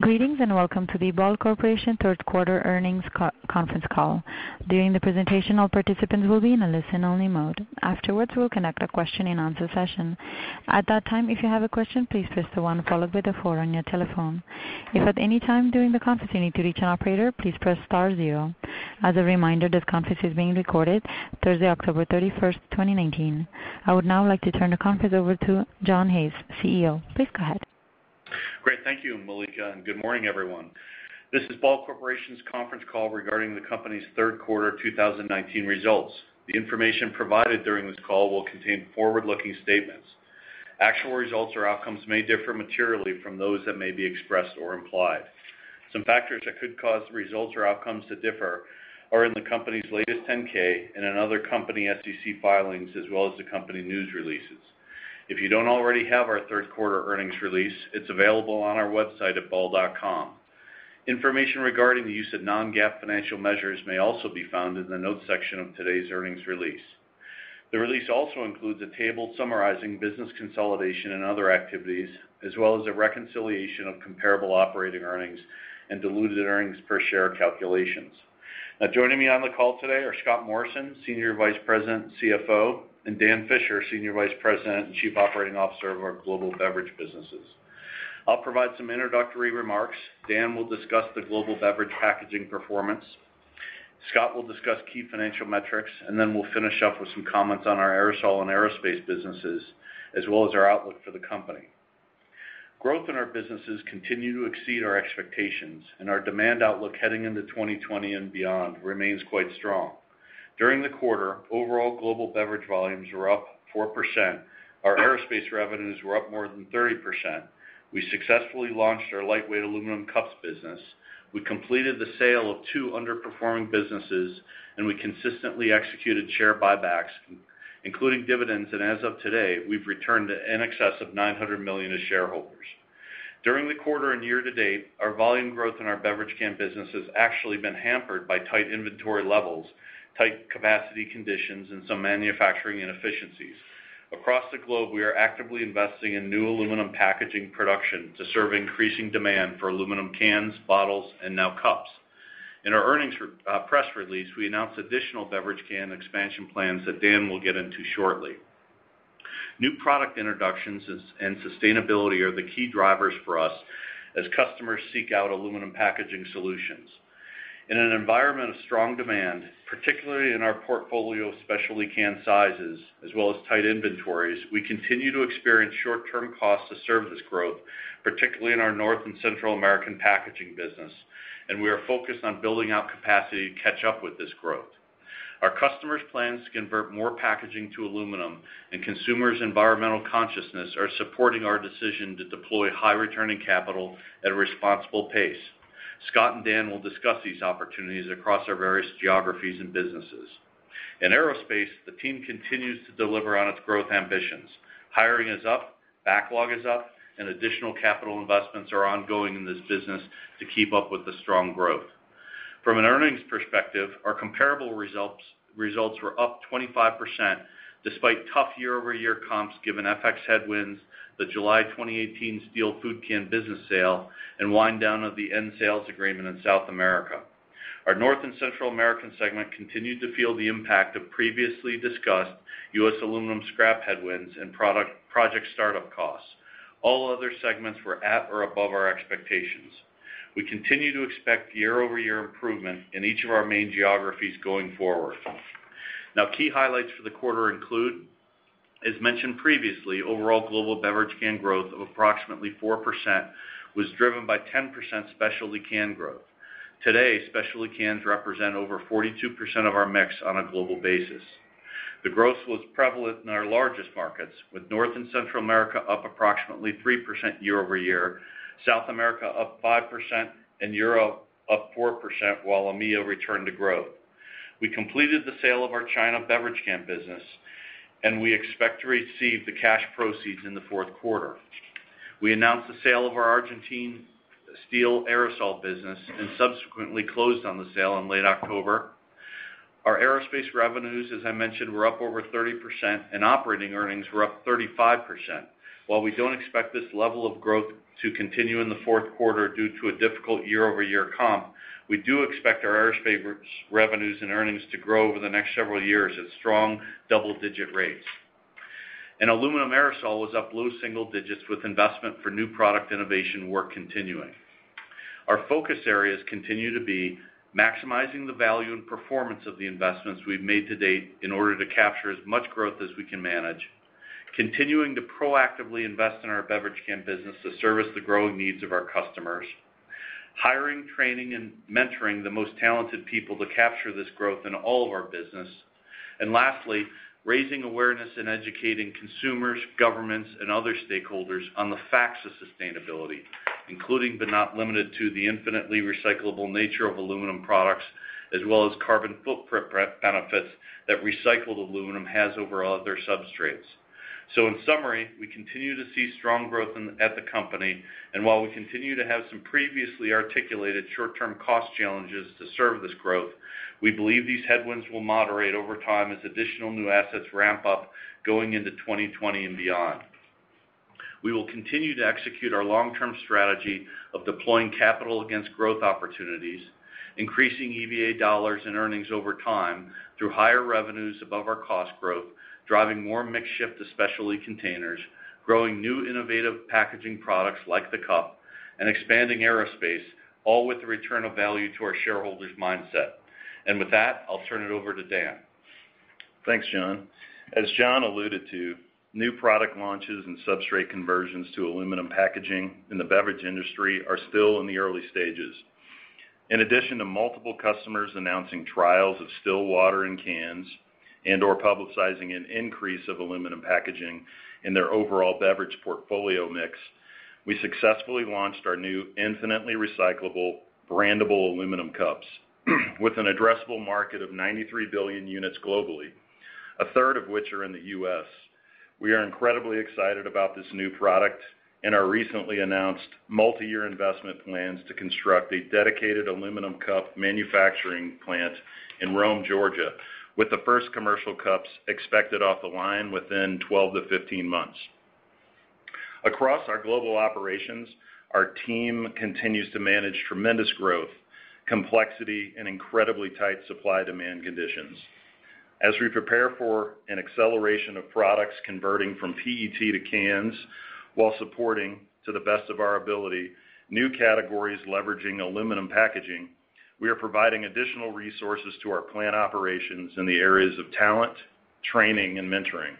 Greetings, welcome to the Ball Corporation third quarter earnings conference call. During the presentation, all participants will be in a listen-only mode. Afterwards, we'll conduct a question-and-answer session. At that time, if you have a question, please press the one followed by the four on your telephone. If at any time during the conference you need to reach an operator, please press star zero. As a reminder, this conference is being recorded Thursday, October 31st, 2019. I would now like to turn the conference over to John Hayes, CEO. Please go ahead. Great. Thank you, Mallika. Good morning, everyone. This is Ball Corporation's conference call regarding the company's third quarter 2019 results. The information provided during this call will contain forward-looking statements. Actual results or outcomes may differ materially from those that may be expressed or implied. Some factors that could cause results or outcomes to differ are in the company's latest 10-K and in other company SEC filings, as well as the company news releases. If you don't already have our third quarter earnings release, it's available on our website at ball.com. Information regarding the use of non-GAAP financial measures may also be found in the notes section of today's earnings release. The release also includes a table summarizing business consolidation and other activities, as well as a reconciliation of comparable operating earnings and diluted earnings per share calculations. Joining me on the call today are Scott Morrison, Senior Vice President, CFO, and Dan Fisher, Senior Vice President and Chief Operating Officer of our global beverage businesses. I'll provide some introductory remarks. Dan will discuss the global beverage packaging performance. Scott will discuss key financial metrics, and then we'll finish up with some comments on our aerosol and aerospace businesses, as well as our outlook for the company. Growth in our businesses continue to exceed our expectations. Our demand outlook heading into 2020 and beyond remains quite strong. During the quarter, overall global beverage volumes were up 4%. Our aerospace revenues were up more than 30%. We successfully launched our Ball Aluminium Cup business. We completed the sale of two underperforming businesses. We consistently executed share buybacks, including dividends. As of today, we've returned in excess of $900 million to shareholders. During the quarter and year to date, our volume growth in our beverage can business has actually been hampered by tight inventory levels, tight capacity conditions, and some manufacturing inefficiencies. Across the globe, we are actively investing in new aluminum packaging production to serve increasing demand for aluminum cans, bottles, and now cups. In our earnings press release, we announced additional beverage can expansion plans that Dan will get into shortly. New product introductions and sustainability are the key drivers for us as customers seek out aluminum packaging solutions. In an environment of strong demand, particularly in our portfolio of specialty can sizes, as well as tight inventories, we continue to experience short-term costs to serve this growth, particularly in our North and Central American packaging business, and we are focused on building out capacity to catch up with this growth. Our customers' plans to convert more packaging to aluminum and consumers' environmental consciousness are supporting our decision to deploy high returning capital at a responsible pace. Scott and Dan will discuss these opportunities across our various geographies and businesses. In aerospace, the team continues to deliver on its growth ambitions. Hiring is up, backlog is up, and additional capital investments are ongoing in this business to keep up with the strong growth. From an earnings perspective, our comparable results were up 25%, despite tough year-over-year comps given FX headwinds, the July 2018 steel food can business sale, and wind down of the end sales agreement in South America. Our North and Central American segment continued to feel the impact of previously discussed U.S. aluminum scrap headwinds and project startup costs. All other segments were at or above our expectations. We continue to expect year-over-year improvement in each of our main geographies going forward. Key highlights for the quarter include, as mentioned previously, overall global beverage can growth of approximately 4% was driven by 10% specialty can growth. Today, specialty cans represent over 42% of our mix on a global basis. The growth was prevalent in our largest markets, with North and Central America up approximately 3% year-over-year, South America up 5%, and Europe up 4%, while AMEA returned to growth. We completed the sale of our China beverage can business, and we expect to receive the cash proceeds in the fourth quarter. We announced the sale of our Argentine steel aerosol business and subsequently closed on the sale in late October. Our aerospace revenues, as I mentioned, were up over 30%, and operating earnings were up 35%. While we don't expect this level of growth to continue in the fourth quarter due to a difficult year-over-year comp, we do expect our aerospace revenues and earnings to grow over the next several years at strong double-digit rates. Aluminum aerosol was up low single digits with investment for new product innovation work continuing. Our focus areas continue to be maximizing the value and performance of the investments we've made to date in order to capture as much growth as we can manage, continuing to proactively invest in our beverage can business to service the growing needs of our customers, hiring, training, and mentoring the most talented people to capture this growth in all of our business, and lastly, raising awareness and educating consumers, governments, and other stakeholders on the facts of sustainability, including but not limited to the infinitely recyclable nature of aluminum products as well as carbon footprint benefits that recycled aluminum has over other substrates. In summary, we continue to see strong growth at the company, and while we continue to have some previously articulated short-term cost challenges to serve this growth, we believe these headwinds will moderate over time as additional new assets ramp up going into 2020 and beyond. We will continue to execute our long-term strategy of deploying capital against growth opportunities, increasing EVA dollars in earnings over time through higher revenues above our cost growth, driving more mix shift to specialty containers, growing new innovative packaging products like the cup, and expanding aerospace, all with the return of value to our shareholders' mindset. With that, I'll turn it over to Dan. Thanks, John. As John alluded to, new product launches and substrate conversions to aluminum packaging in the beverage industry are still in the early stages. In addition to multiple customers announcing trials of still water in cans and/or publicizing an increase of aluminum packaging in their overall beverage portfolio mix, we successfully launched our new infinitely recyclable, brandable aluminum cups with an addressable market of 93 billion units globally, a third of which are in the U.S. We are incredibly excited about this new product and our recently announced multi-year investment plans to construct a dedicated aluminum cup manufacturing plant in Rome, Georgia, with the first commercial cups expected off the line within 12-15 months. Across our global operations, our team continues to manage tremendous growth, complexity, and incredibly tight supply-demand conditions. As we prepare for an acceleration of products converting from PET to cans while supporting, to the best of our ability, new categories leveraging aluminum packaging, we are providing additional resources to our plant operations in the areas of talent, training, and mentoring.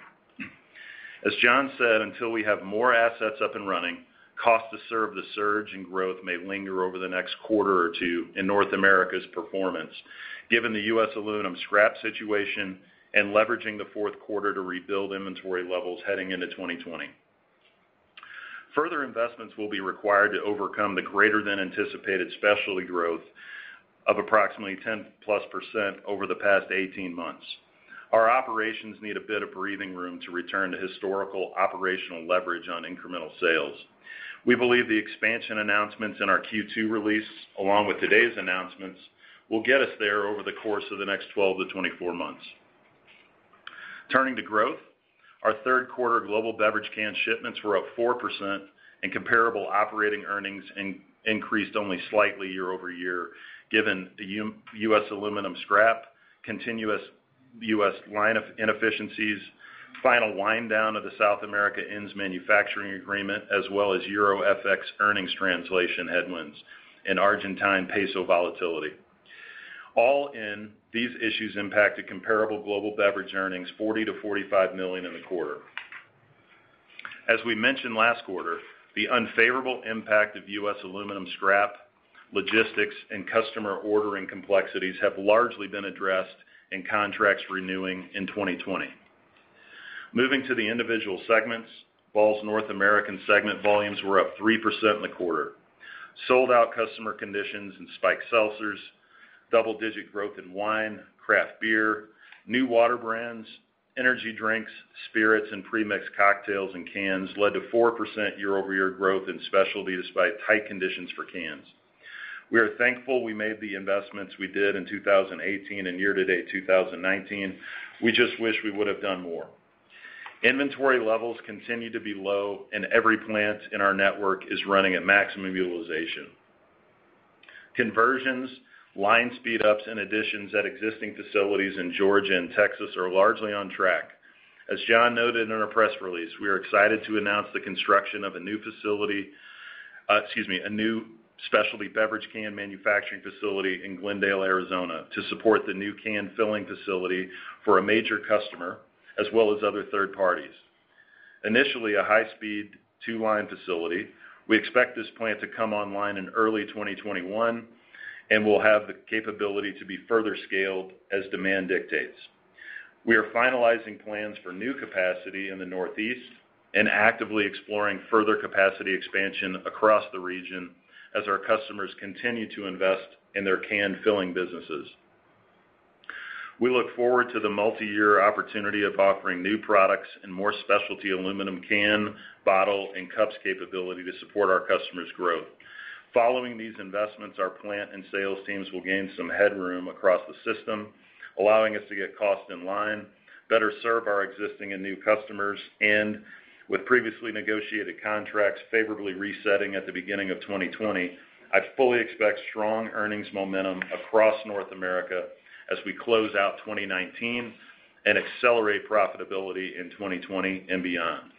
As John said, until we have more assets up and running, cost to serve the surge in growth may linger over the next quarter or two in North America's performance, given the U.S. aluminum scrap situation and leveraging the fourth quarter to rebuild inventory levels heading into 2020. Further investments will be required to overcome the greater than anticipated specialty growth of approximately 10-plus % over the past 18 months. Our operations need a bit of breathing room to return to historical operational leverage on incremental sales. We believe the expansion announcements in our Q2 release, along with today's announcements, will get us there over the course of the next 12 to 24 months. Turning to growth, our third quarter global beverage can shipments were up 4%, and comparable operating earnings increased only slightly year-over-year, given the U.S. aluminum scrap, continuous U.S. line inefficiencies, final wind-down of the South America ends manufacturing agreement, as well as EUR FX earnings translation headwinds and Argentine peso volatility. All in, these issues impacted comparable global beverage earnings $40 million-$45 million in the quarter. As we mentioned last quarter, the unfavorable impact of U.S. aluminum scrap, logistics, and customer ordering complexities have largely been addressed in contracts renewing in 2020. Moving to the individual segments, Ball's North American segment volumes were up 3% in the quarter. Sold-out customer conditions in spiked seltzers, double-digit growth in wine, craft beer, new water brands, energy drinks, spirits, and pre-mixed cocktails in cans led to 4% year-over-year growth in Specialty, despite tight conditions for cans. We are thankful we made the investments we did in 2018 and year-to-date 2019. We just wish we would have done more. Inventory levels continue to be low, and every plant in our network is running at maximum utilization. Conversions, line speed-ups, and additions at existing facilities in Georgia and Texas are largely on track. As John noted in our press release, we are excited to announce the construction of a new Specialty beverage can manufacturing facility in Glendale, Arizona, to support the new can-filling facility for a major customer, as well as other third parties. Initially a high-speed 2-line facility, we expect this plant to come online in early 2021 and will have the capability to be further scaled as demand dictates. We are finalizing plans for new capacity in the Northeast and actively exploring further capacity expansion across the region as our customers continue to invest in their can-filling businesses. We look forward to the multi-year opportunity of offering new products and more specialty aluminum can, bottle, and cups capability to support our customers' growth. Following these investments, our plant and sales teams will gain some headroom across the system, allowing us to get costs in line, better serve our existing and new customers, and with previously negotiated contracts favorably resetting at the beginning of 2020, I fully expect strong earnings momentum across North America as we close out 2019 and accelerate profitability in 2020 and beyond.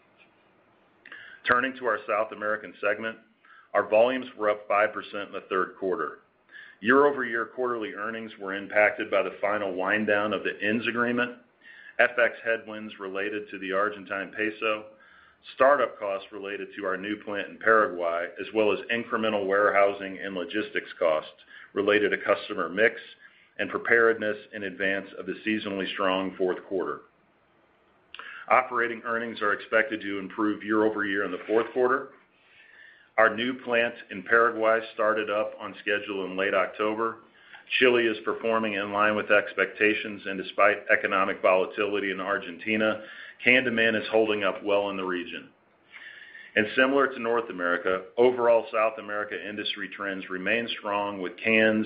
Turning to our South American segment, our volumes were up 5% in the third quarter. Year-over-year quarterly earnings were impacted by the final wind-down of the ends agreement, FX headwinds related to the Argentine peso, start-up costs related to our new plant in Paraguay, as well as incremental warehousing and logistics costs related to customer mix and preparedness in advance of the seasonally strong fourth quarter. Operating earnings are expected to improve year-over-year in the fourth quarter. Our new plant in Paraguay started up on schedule in late October. Chile is performing in line with expectations. Despite economic volatility in Argentina, can demand is holding up well in the region. Similar to North America, overall South America industry trends remain strong with cans,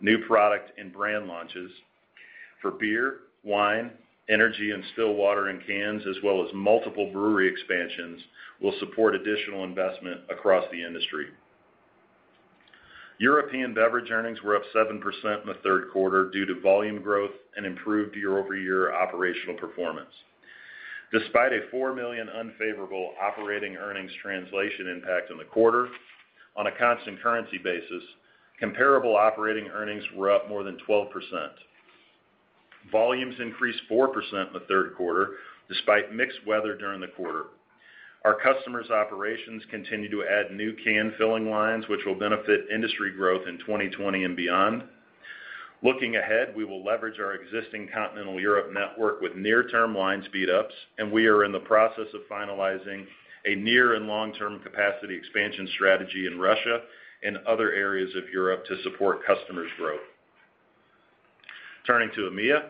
new product, and brand launches. For beer, wine, energy, and still water in cans, as well as multiple brewery expansions, will support additional investment across the industry. European beverage earnings were up 7% in the third quarter due to volume growth and improved year-over-year operational performance. Despite a $4 million unfavorable operating earnings translation impact in the quarter, on a constant currency basis, comparable operating earnings were up more than 12%. Volumes increased 4% in the third quarter, despite mixed weather during the quarter. Our customers' operations continue to add new can filling lines, which will benefit industry growth in 2020 and beyond. Looking ahead, we will leverage our existing continental Europe network with near-term line speedups, and we are in the process of finalizing a near and long-term capacity expansion strategy in Russia and other areas of Europe to support customers' growth. Turning to AMEA,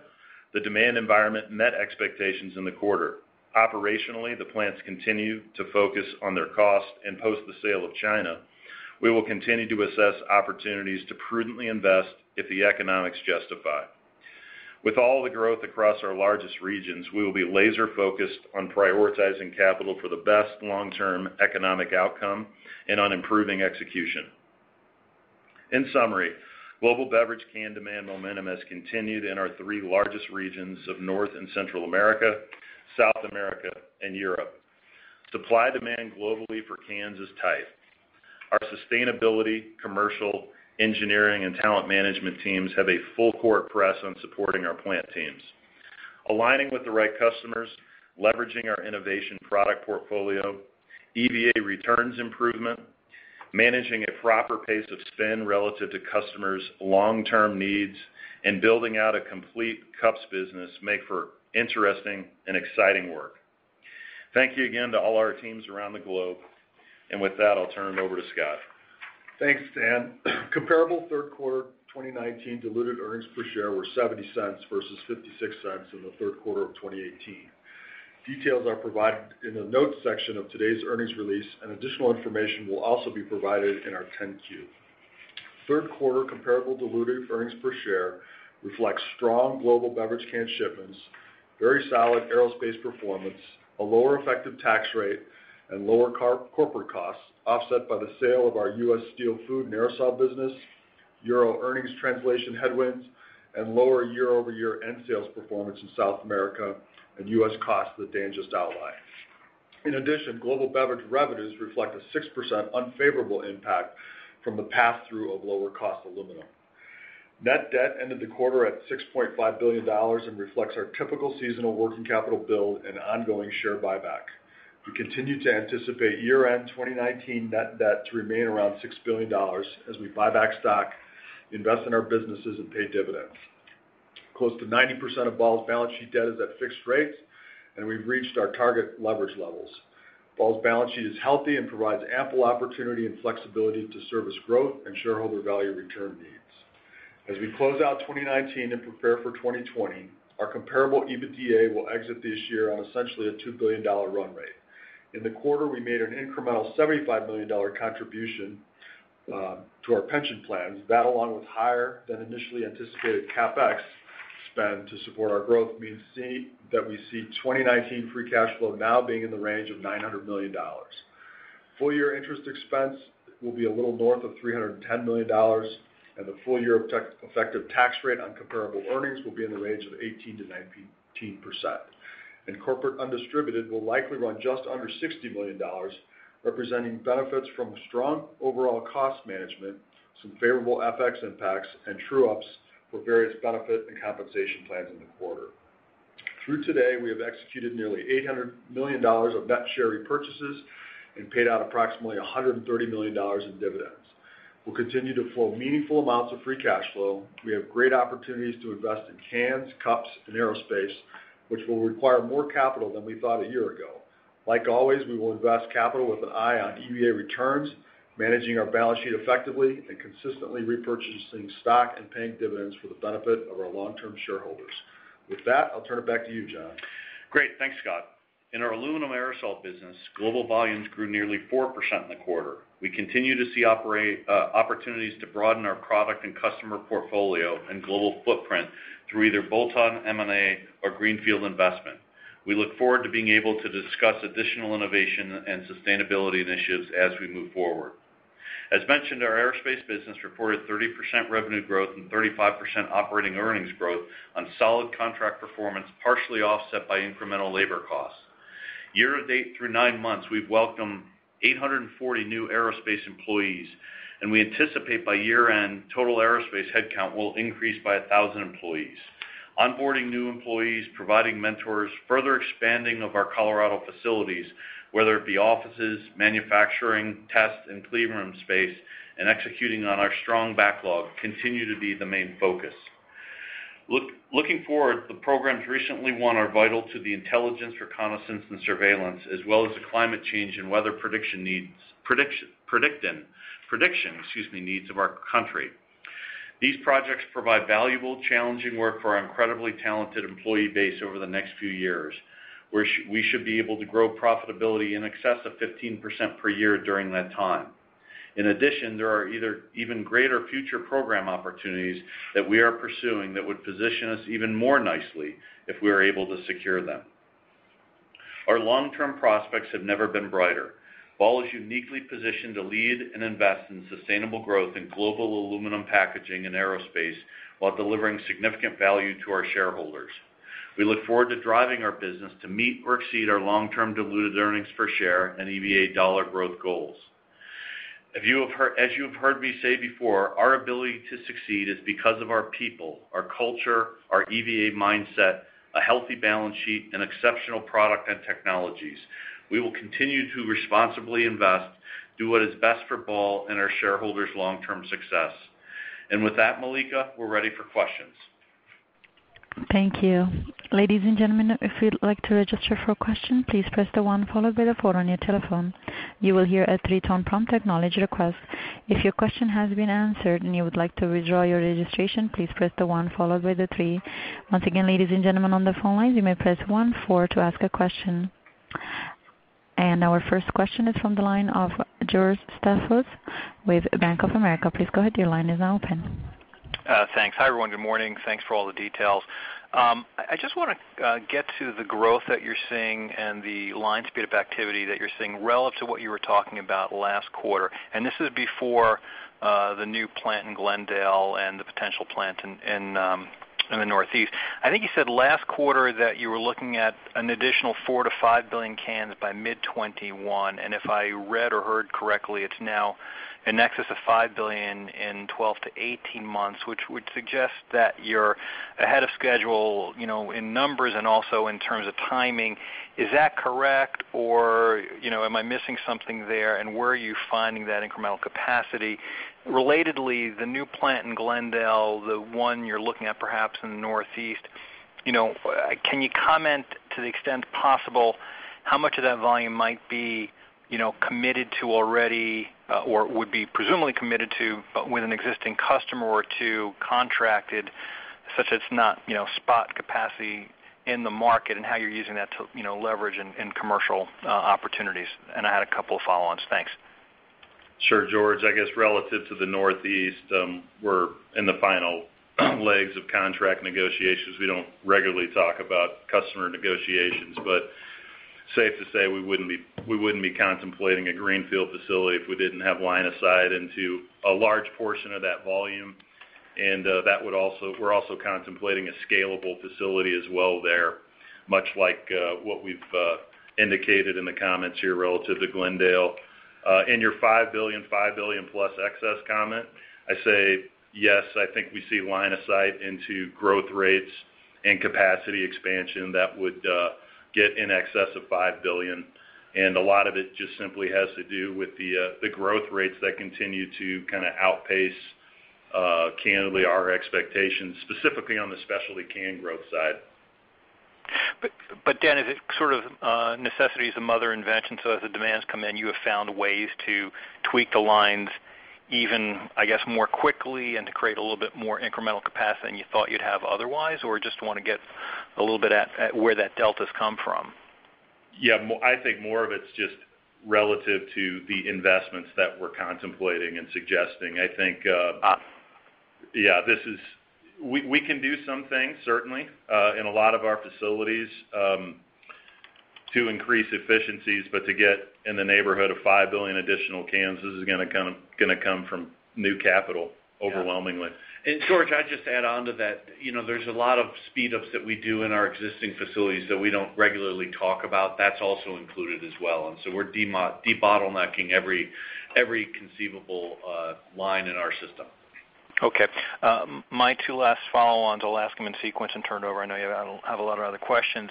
the demand environment met expectations in the quarter. Operationally, the plants continue to focus on their cost, and post the sale of China, we will continue to assess opportunities to prudently invest if the economics justify. With all the growth across our largest regions, we will be laser-focused on prioritizing capital for the best long-term economic outcome and on improving execution. In summary, global beverage can demand momentum has continued in our three largest regions of North and Central America, South America, and Europe. Supply-demand globally for cans is tight. Our sustainability, commercial, engineering, and talent management teams have a full-court press on supporting our plant teams. Aligning with the right customers, leveraging our innovation product portfolio, EVA returns improvement, managing a proper pace of spend relative to customers' long-term needs, and building out a complete cups business make for interesting and exciting work. Thank you again to all our teams around the globe. With that, I'll turn it over to Scott. Thanks, Dan. Comparable third quarter 2019 diluted earnings per share were $0.70 versus $0.56 in the third quarter of 2018. Details are provided in the notes section of today's earnings release, and additional information will also be provided in our 10-Q. Third quarter comparable diluted earnings per share reflects strong global beverage can shipments, very solid aerospace performance, a lower effective tax rate, and lower corporate costs offset by the sale of our U.S. steel food and aerosol business, EUR earnings translation headwinds, and lower year-over-year end sales performance in South America and U.S. costs that Dan just outlined. In addition, global beverage revenues reflect a 6% unfavorable impact from the pass-through of lower cost aluminum. Net debt ended the quarter at $6.5 billion and reflects our typical seasonal working capital build and ongoing share buyback. We continue to anticipate year-end 2019 net debt to remain around $6 billion as we buy back stock, invest in our businesses, and pay dividends. Close to 90% of Ball's balance sheet debt is at fixed rates, and we've reached our target leverage levels. Ball's balance sheet is healthy and provides ample opportunity and flexibility to service growth and shareholder value return needs. As we close out 2019 and prepare for 2020, our comparable EBITDA will exit this year on essentially a $2 billion run rate. In the quarter, we made an incremental $75 million contribution to our pension plans. That, along with higher than initially anticipated CapEx spend to support our growth, means that we see 2019 free cash flow now being in the range of $900 million. Full-year interest expense will be a little north of $310 million. The full-year effective tax rate on comparable earnings will be in the range of 18%-19%. Corporate undistributed will likely run just under $60 million, representing benefits from strong overall cost management, some favorable FX impacts, and true-ups for various benefit and compensation plans in the quarter. Through today, we have executed nearly $800 million of net share repurchases and paid out approximately $130 million in dividends. We'll continue to flow meaningful amounts of free cash flow. We have great opportunities to invest in cans, cups, and aerospace, which will require more capital than we thought a year ago. Like always, we will invest capital with an eye on EVA returns, managing our balance sheet effectively, and consistently repurchasing stock and paying dividends for the benefit of our long-term shareholders. With that, I'll turn it back to you, John. Great. Thanks, Scott. In our aluminum aerosol business, global volumes grew nearly 4% in the quarter. We continue to see opportunities to broaden our product and customer portfolio and global footprint through either bolt-on M&A or greenfield investment. We look forward to being able to discuss additional innovation and sustainability initiatives as we move forward. As mentioned, our aerospace business reported 30% revenue growth and 35% operating earnings growth on solid contract performance, partially offset by incremental labor costs. Year-to-date through nine months, we've welcomed 840 new aerospace employees. We anticipate by year-end, total aerospace headcount will increase by 1,000 employees. Onboarding new employees, providing mentors, further expanding of our Colorado facilities, whether it be offices, manufacturing, test, and clean room space, and executing on our strong backlog continue to be the main focus. Looking forward, the programs recently won are vital to the intelligence, reconnaissance, and surveillance, as well as the climate change and weather prediction needs of our country. These projects provide valuable, challenging work for our incredibly talented employee base over the next few years. We should be able to grow profitability in excess of 15% per year during that time. In addition, there are even greater future program opportunities that we are pursuing that would position us even more nicely if we are able to secure them. Our long-term prospects have never been brighter. Ball is uniquely positioned to lead and invest in sustainable growth in global aluminum packaging and aerospace while delivering significant value to our shareholders. We look forward to driving our business to meet or exceed our long-term diluted earnings per share and EVA dollar growth goals. As you have heard me say before, our ability to succeed is because of our people, our culture, our EVA mindset, a healthy balance sheet, and exceptional product and technologies. We will continue to responsibly invest, do what is best for Ball, and our shareholders' long-term success. With that, Mallika, we're ready for questions. Thank you. Ladies and gentlemen, if you'd like to register for a question, please press the one followed by the four on your telephone. You will hear a three-tone prompt acknowledge request. If your question has been answered and you would like to withdraw your registration, please press the one followed by the three. Once again, ladies and gentlemen, on the phone lines, you may press one, four to ask a question. Our first question is from the line of George Staphos with Bank of America. Please go ahead, your line is now open. Thanks. Hi, everyone. Good morning. Thanks for all the details. I just want to get to the growth that you're seeing and the line speed of activity that you're seeing relative to what you were talking about last quarter. This is before the new plant in Glendale and the potential plant in the Northeast. I think you said last quarter that you were looking at an additional 4 billion-5 billion cans by mid 2021. If I read or heard correctly, it's now in excess of 5 billion in 12-18 months, which would suggest that you're ahead of schedule in numbers and also in terms of timing. Is that correct? Am I missing something there? Where are you finding that incremental capacity? Relatedly, the new plant in Glendale, the one you're looking at perhaps in the Northeast, can you comment, to the extent possible, how much of that volume might be committed to already or would be presumably committed to with an existing customer or two contracted, such that it's not spot capacity in the market, and how you're using that to leverage in commercial opportunities? I had a couple of follow-ons. Thanks. Sure, George. I guess relative to the Northeast, we're in the final legs of contract negotiations. Safe to say, we wouldn't be contemplating a greenfield facility if we didn't have line of sight into a large portion of that volume. We're also contemplating a scalable facility as well there, much like what we've indicated in the comments here relative to Glendale. In your $5 billion plus excess comment, I say yes, I think we see line of sight into growth rates and capacity expansion that would get in excess of $5 billion. A lot of it just simply has to do with the growth rates that continue to outpace candidly our expectations, specifically on the specialty can growth side. Dan, is it sort of necessity is a mother invention, so as the demands come in, you have found ways to tweak the lines even, I guess, more quickly and to create a little bit more incremental capacity than you thought you'd have otherwise? Just want to get a little bit at where that delta's come from. Yeah, I think more of it's just relative to the investments that we're contemplating and suggesting. I think we can do some things certainly in a lot of our facilities to increase efficiencies, but to get in the neighborhood of 5 billion additional cans, this is going to come from new capital overwhelmingly. George, I'd just add on to that, there's a lot of speed ups that we do in our existing facilities that we don't regularly talk about. That's also included as well. We're de-bottlenecking every conceivable line in our system. Okay. My two last follow-ons, I'll ask them in sequence and turn it over. I know you have a lot of other questions.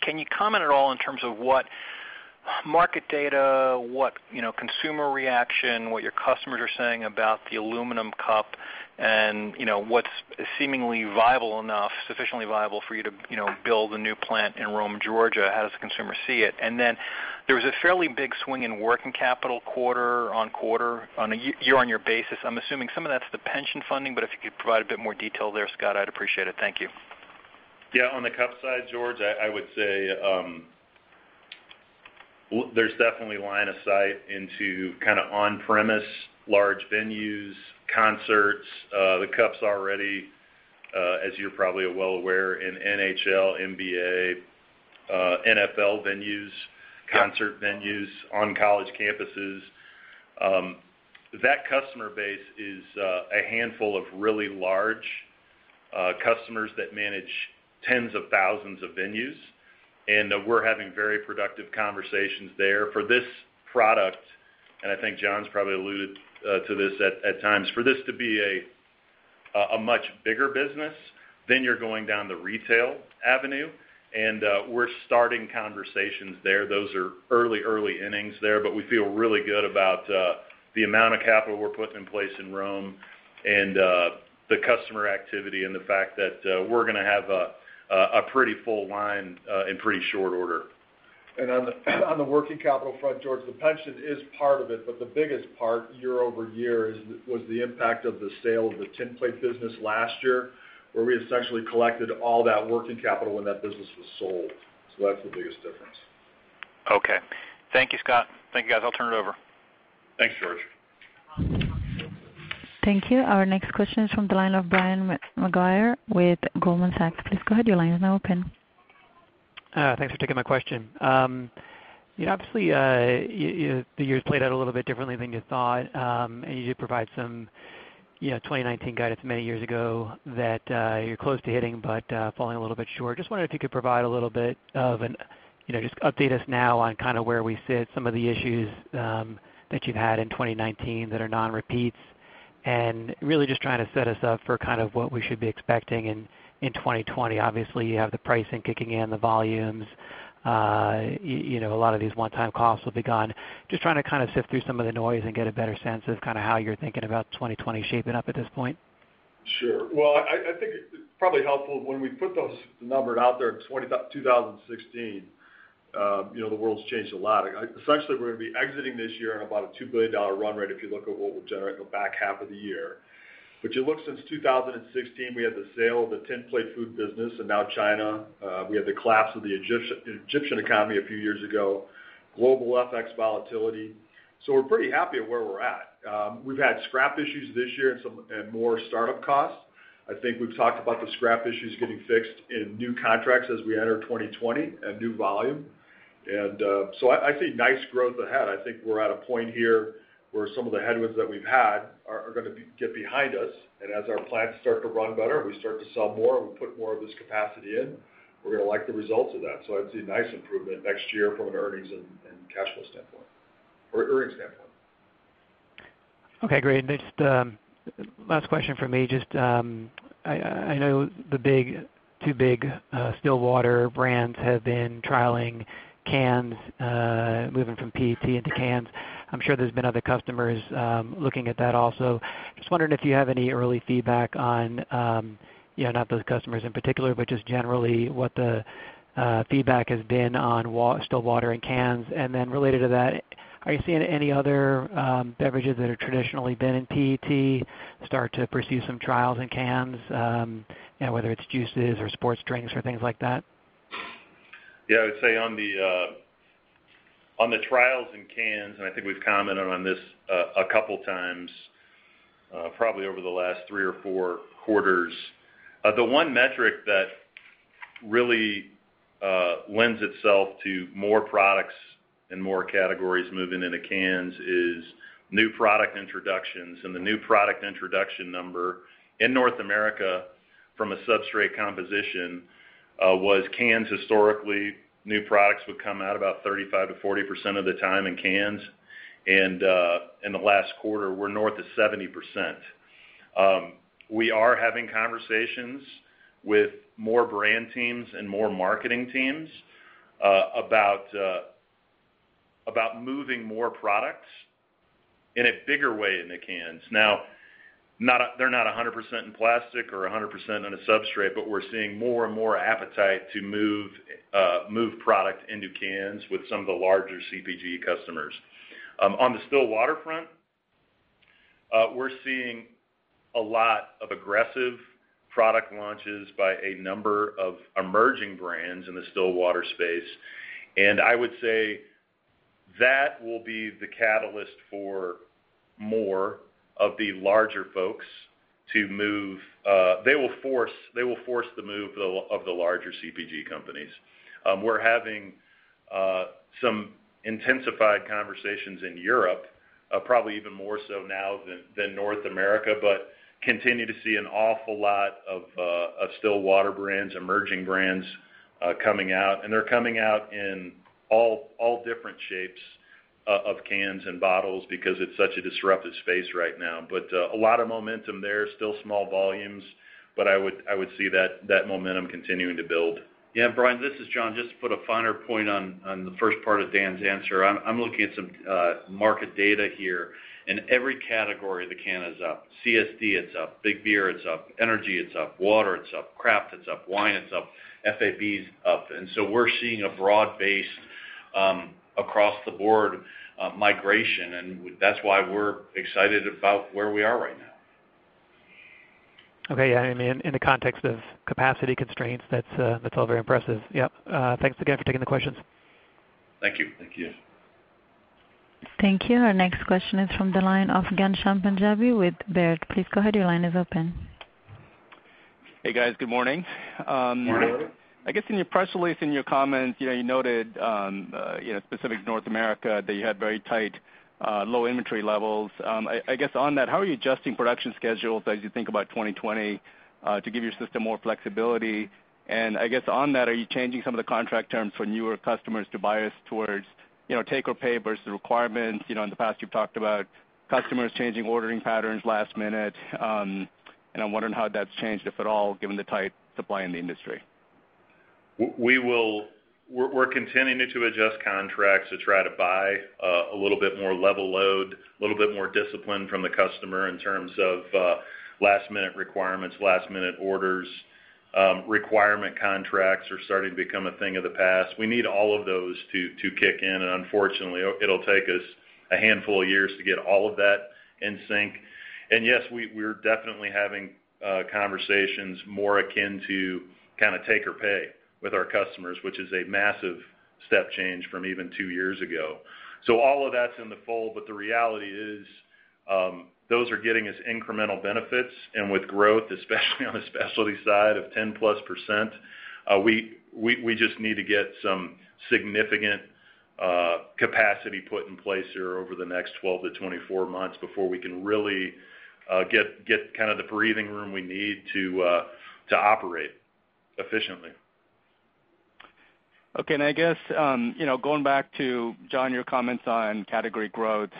Can you comment at all in terms of what market data, what consumer reaction, what your customers are saying about the Ball Aluminum Cup, and what's seemingly sufficiently viable for you to build a new plant in Rome, Georgia? How does the consumer see it? There was a fairly big swing in working capital quarter-over-quarter on a year-over-year basis. I'm assuming some of that's the pension funding, if you could provide a bit more detail there, Scott, I'd appreciate it. Thank you. Yeah. On the cup side, George, I would say there's definitely line of sight into on-premise large venues, concerts. The cup's already, as you're probably well aware, in NHL, NBA, NFL venues, concert venues, on college campuses. That customer base is a handful of really large customers that manage tens of thousands of venues, and we're having very productive conversations there. For this product, and I think John's probably alluded to this at times, for this to be a much bigger business, then you're going down the retail avenue, and we're starting conversations there. Those are early innings there. But we feel really good about the amount of capital we're putting in place in Rome and the customer activity and the fact that we're going to have a pretty full line in pretty short order. On the working capital front, George, the pension is part of it, but the biggest part year-over-year was the impact of the sale of the tin plate business last year, where we essentially collected all that working capital when that business was sold. That's the biggest difference. Okay. Thank you, Scott. Thank you, guys. I'll turn it over. Thanks, George. Thank you. Our next question is from the line of Brian Maguire with Goldman Sachs. Please go ahead. Your line is now open. Thanks for taking my question. Obviously, the year's played out a little bit differently than you thought, you did provide some 2019 guidance many years ago that you're close to hitting, but falling a little bit short. Just wondering if you could provide a little bit of just update us now on where we sit, some of the issues that you've had in 2019 that are non-repeats, really just trying to set us up for what we should be expecting in 2020. Obviously, you have the pricing kicking in, the volumes. A lot of these one-time costs will be gone. Just trying to kind of sift through some of the noise and get a better sense of how you're thinking about 2020 shaping up at this point. Sure. Well, I think it's probably helpful when we put those numbers out there in 2016. The world's changed a lot. Essentially, we're going to be exiting this year on about a $2 billion run rate if you look at what we'll generate in the back half of the year. You look since 2016, we had the sale of the tinplate food business in now China. We had the collapse of the Egyptian economy a few years ago, global FX volatility. We're pretty happy at where we're at. We've had scrap issues this year and more startup costs. I think we've talked about the scrap issues getting fixed in new contracts as we enter 2020 and new volume. I see nice growth ahead. I think we're at a point here where some of the headwinds that we've had are going to get behind us, and as our plants start to run better, we start to sell more and we put more of this capacity in, we're going to like the results of that. I'd see nice improvement next year from an earnings and cash flow standpoint, or earnings standpoint. Okay, great. Just last question from me. I know the two big still water brands have been trialing cans, moving from PET into cans. I'm sure there's been other customers looking at that also. Just wondering if you have any early feedback on, not those customers in particular, but just generally what the feedback has been on still water in cans. Related to that, are you seeing any other beverages that have traditionally been in PET start to pursue some trials in cans? Whether it's juices or sports drinks or things like that. Yeah, I'd say on the trials in cans, and I think we've commented on this a couple of times probably over the last three or four quarters. The one metric that really lends itself to more products and more categories moving into cans is new product introductions. The new product introduction number in North America from a substrate composition was cans historically, new products would come out about 35%-40% of the time in cans, and in the last quarter, we're north of 70%. We are having conversations with more brand teams and more marketing teams about moving more products in a bigger way into cans. They're not 100% in plastic or 100% in a substrate, but we're seeing more and more appetite to move product into cans with some of the larger CPG customers. On the still water front, we're seeing a lot of aggressive product launches by a number of emerging brands in the still water space. I would say that will be the catalyst for more of the larger folks. They will force the move of the larger CPG companies. We're having some intensified conversations in Europe, probably even more so now than North America, continue to see an awful lot of still water brands, emerging brands coming out, and they're coming out in all different shapes of cans and bottles because it's such a disrupted space right now. A lot of momentum there. Still small volumes, I would see that momentum continuing to build. Yeah, Brian, this is John. Just to put a finer point on the first part of Dan's answer, I'm looking at some market data here. In every category, the can is up. CSD, it's up. Big beer, it's up. Energy, it's up. Water, it's up. Craft, it's up. Wine, it's up. FAB is up. We're seeing a broad-based across-the-board migration, and that's why we're excited about where we are right now. Okay. Yeah, in the context of capacity constraints, that's all very impressive. Yep. Thanks again for taking the questions. Thank you. Thank you. Thank you. Our next question is from the line of Ghansham Panjabi with Baird. Please go ahead, your line is open. Hey, guys. Good morning. Good morning. Good morning. I guess in your press release, in your comments, you noted, specific North America, that you had very tight low inventory levels. I guess on that, how are you adjusting production schedules as you think about 2020 to give your system more flexibility? I guess on that, are you changing some of the contract terms for newer customers to bias towards take or pay versus the requirements? In the past you've talked about customers changing ordering patterns last minute, and I'm wondering how that's changed, if at all, given the tight supply in the industry. We're continuing to adjust contracts to try to buy a little bit more level load, a little bit more discipline from the customer in terms of last-minute requirements, last-minute orders. Requirement contracts are starting to become a thing of the past. We need all of those to kick in, and unfortunately, it'll take us a handful of years to get all of that in sync. Yes, we're definitely having conversations more akin to kind of take or pay with our customers, which is a massive step change from even two years ago. All of that's in the fold, but the reality is, those are getting us incremental benefits, and with growth, especially on the specialty side of 10+%, we just need to get some significant capacity put in place here over the next 12-24 months before we can really get the breathing room we need to operate efficiently. Okay. I guess, going back to, John, your comments on category growth.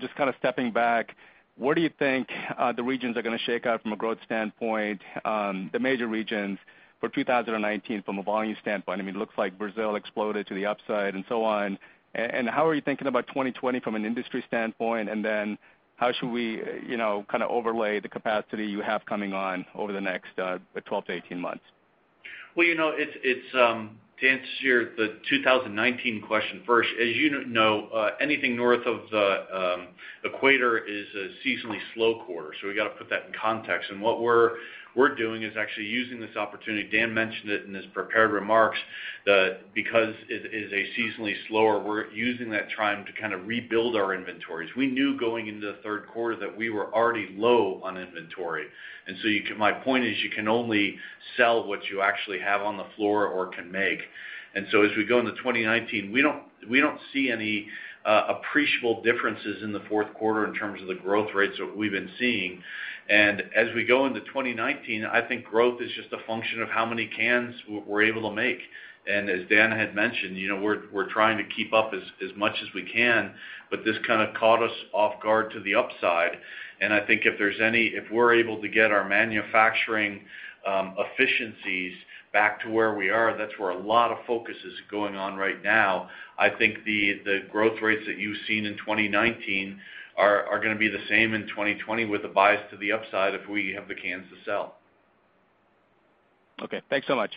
Just kind of stepping back, where do you think the regions are going to shake out from a growth standpoint, the major regions for 2019 from a volume standpoint? I mean, it looks like Brazil exploded to the upside and so on. How are you thinking about 2020 from an industry standpoint? How should we overlay the capacity you have coming on over the next 12 to 18 months? To answer your the 2019 question first, as you know anything north of the equator is a seasonally slow quarter, so we got to put that in context. What we're doing is actually using this opportunity. Dan mentioned it in his prepared remarks, that because it is a seasonally slower, we're using that time to kind of rebuild our inventories. We knew going into the third quarter that we were already low on inventory. My point is you can only sell what you actually have on the floor or can make. As we go into 2019, we don't see any appreciable differences in the fourth quarter in terms of the growth rates that we've been seeing. As we go into 2019, I think growth is just a function of how many cans we're able to make. As Dan had mentioned, we're trying to keep up as much as we can, but this kind of caught us off guard to the upside. I think if we're able to get our manufacturing efficiencies back to where we are, that's where a lot of focus is going on right now. I think the growth rates that you've seen in 2019 are going to be the same in 2020 with a bias to the upside if we have the cans to sell. Okay. Thanks so much.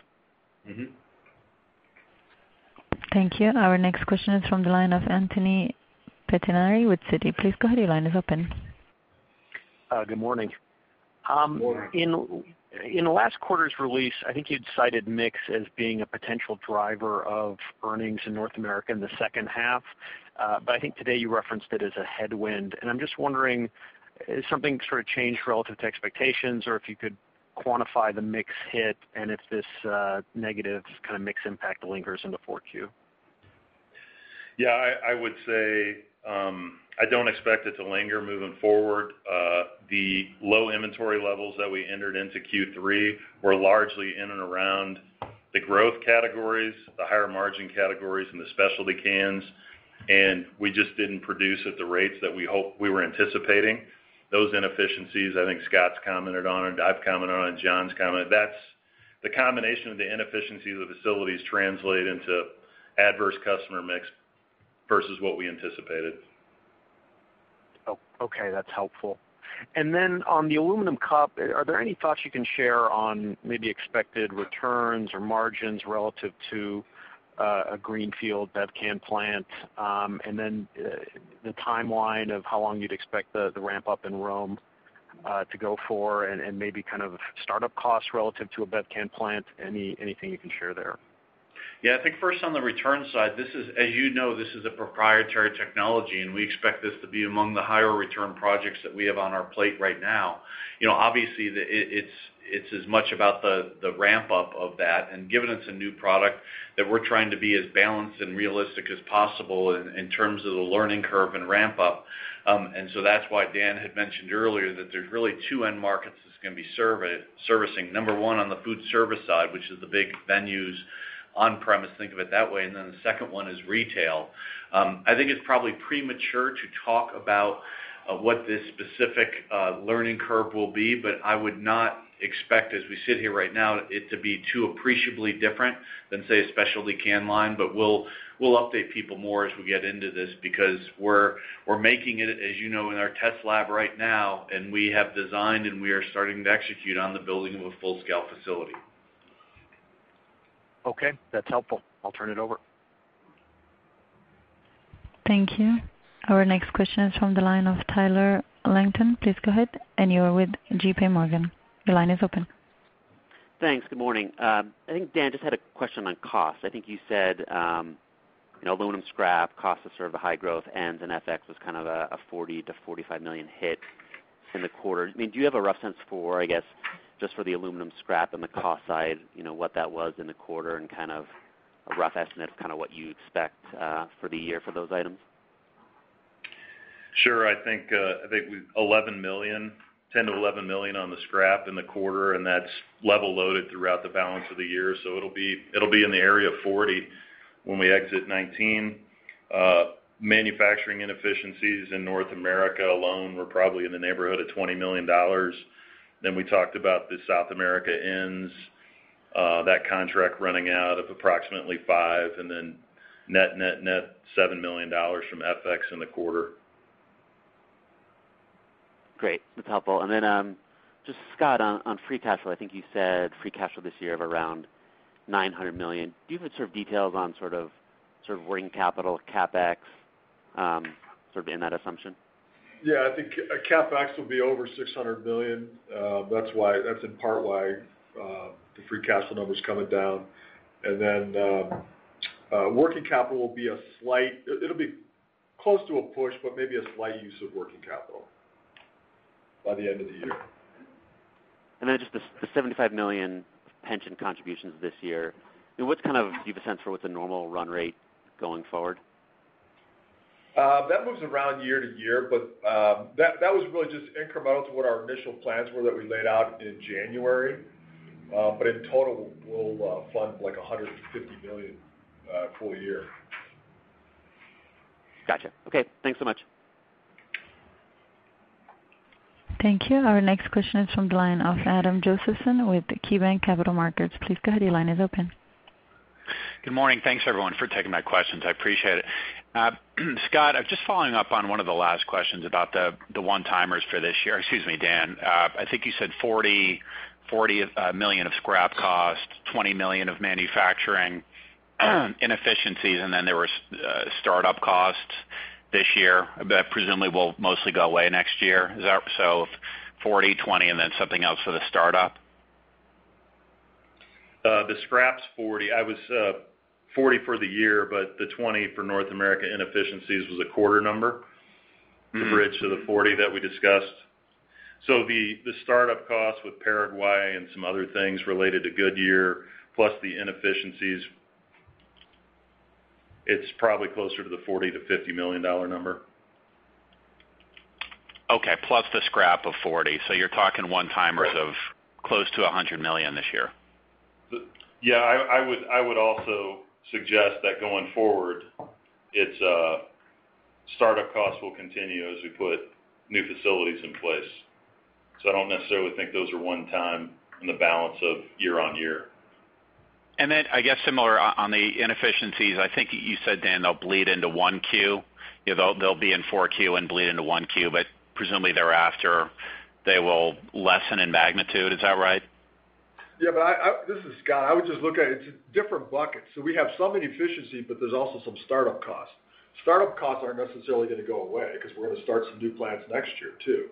Thank you. Our next question is from the line of Anthony Pettinari with Citi. Please go ahead. Your line is open. Good morning. Good morning. In last quarter's release, I think you'd cited mix as being a potential driver of earnings in North America in the second half. I think today you referenced it as a headwind. I'm just wondering, has something sort of changed relative to expectations, or if you could quantify the mix hit and if this negative kind of mix impact lingers into 4Q. Yeah, I would say, I don't expect it to linger moving forward. The low inventory levels that we entered into Q3 were largely in and around the growth categories, the higher margin categories, and the specialty cans, and we just didn't produce at the rates that we were anticipating. Those inefficiencies, I think Scott's commented on it, I've commented on it, and John's commented. The combination of the inefficiencies of the facilities translate into adverse customer mix versus what we anticipated. Okay, that's helpful. On the Aluminum Cup, are there any thoughts you can share on maybe expected returns or margins relative to a greenfield bev can plant? The timeline of how long you'd expect the ramp-up in Rome to go for and maybe kind of startup costs relative to a bev can plant. Anything you can share there? Yeah, I think first on the return side, as you know, this is a proprietary technology, and we expect this to be among the higher return projects that we have on our plate right now. Obviously, it's as much about the ramp-up of that, and given it's a new product, that we're trying to be as balanced and realistic as possible in terms of the learning curve and ramp-up. That's why Dan had mentioned earlier that there's really two end markets it's going to be servicing. Number one, on the food service side, which is the big venues on premise, think of it that way, the second one is retail. I think it's probably premature to talk about what this specific learning curve will be, but I would not expect as we sit here right now it to be too appreciably different than, say, a specialty can line. We'll update people more as we get into this because we're making it, as you know, in our test lab right now, and we have designed and we are starting to execute on the building of a full-scale facility. Okay. That's helpful. I'll turn it over. Thank you. Our next question is from the line of Tyler Langton. Please go ahead. You're with J.P. Morgan. Your line is open. Thanks. Good morning. I think, Dan, just had a question on cost. I think you said aluminum scrap cost us sort of a high growth, and then FX was kind of a $40 million-$45 million hit in the quarter. Do you have a rough sense for, I guess, just for the aluminum scrap and the cost side, what that was in the quarter and kind of a rough estimate of what you expect for the year for those items? Sure. I think $10 million-$11 million on the scrap in the quarter. That's level loaded throughout the balance of the year, it'll be in the area of $40 million when we exit 2019. Manufacturing inefficiencies in North America alone were probably in the neighborhood of $20 million. We talked about the South America ends, that contract running out of approximately $5 million. Net $7 million from FX in the quarter. Great. That's helpful. Then just Scott, on free cash flow, I think you said free cash flow this year of around $900 million. Do you have sort of details on sort of. Sort of working capital CapEx sort of in that assumption? Yeah, I think CapEx will be over $600 million. That's in part why the free cash flow number's coming down. Working capital, it'll be close to a push, but maybe a slight use of working capital by the end of the year. Just the $75 million pension contributions this year, what's kind of do you sense for what the normal run rate going forward? That moves around year to year. That was really just incremental to what our initial plans were that we laid out in January. In total, we'll fund like $150 million for a year. Got you. Okay, thanks so much. Thank you. Our next question is from the line of Adam Josephson with KeyBanc Capital Markets. Please go ahead. Your line is open. Good morning. Thanks, everyone, for taking my questions. I appreciate it. Scott, just following up on one of the last questions about the one-timers for this year. Excuse me, Dan. I think you said $40 million of scrap cost, $20 million of manufacturing inefficiencies, and then there were startup costs this year that presumably will mostly go away next year. Is that so? $40, $20, and then something else for the startup? The scrap's $40. I was $40 for the year. The $20 for North America inefficiencies was a quarter. to bridge to the $40 that we discussed. The startup cost with Paraguay and some other things related to Goodyear, plus the inefficiencies, it's probably closer to the $40 million-$50 million number. Okay. Plus the scrap of $40. You're talking one-timers of close to $100 million this year. Yeah, I would also suggest that going forward, its startup costs will continue as we put new facilities in place. I don't necessarily think those are one-time in the balance of year-on-year. I guess similar on the inefficiencies, I think you said, Dan, they'll bleed into Q1. They'll be in Q4 and bleed into Q1, but presumably thereafter, they will lessen in magnitude. Is that right? Yeah, this is Scott. I would just look at it. It's different buckets. We have some inefficiencies, but there's also some startup costs. Startup costs aren't necessarily going to go away because we're going to start some new plants next year, too.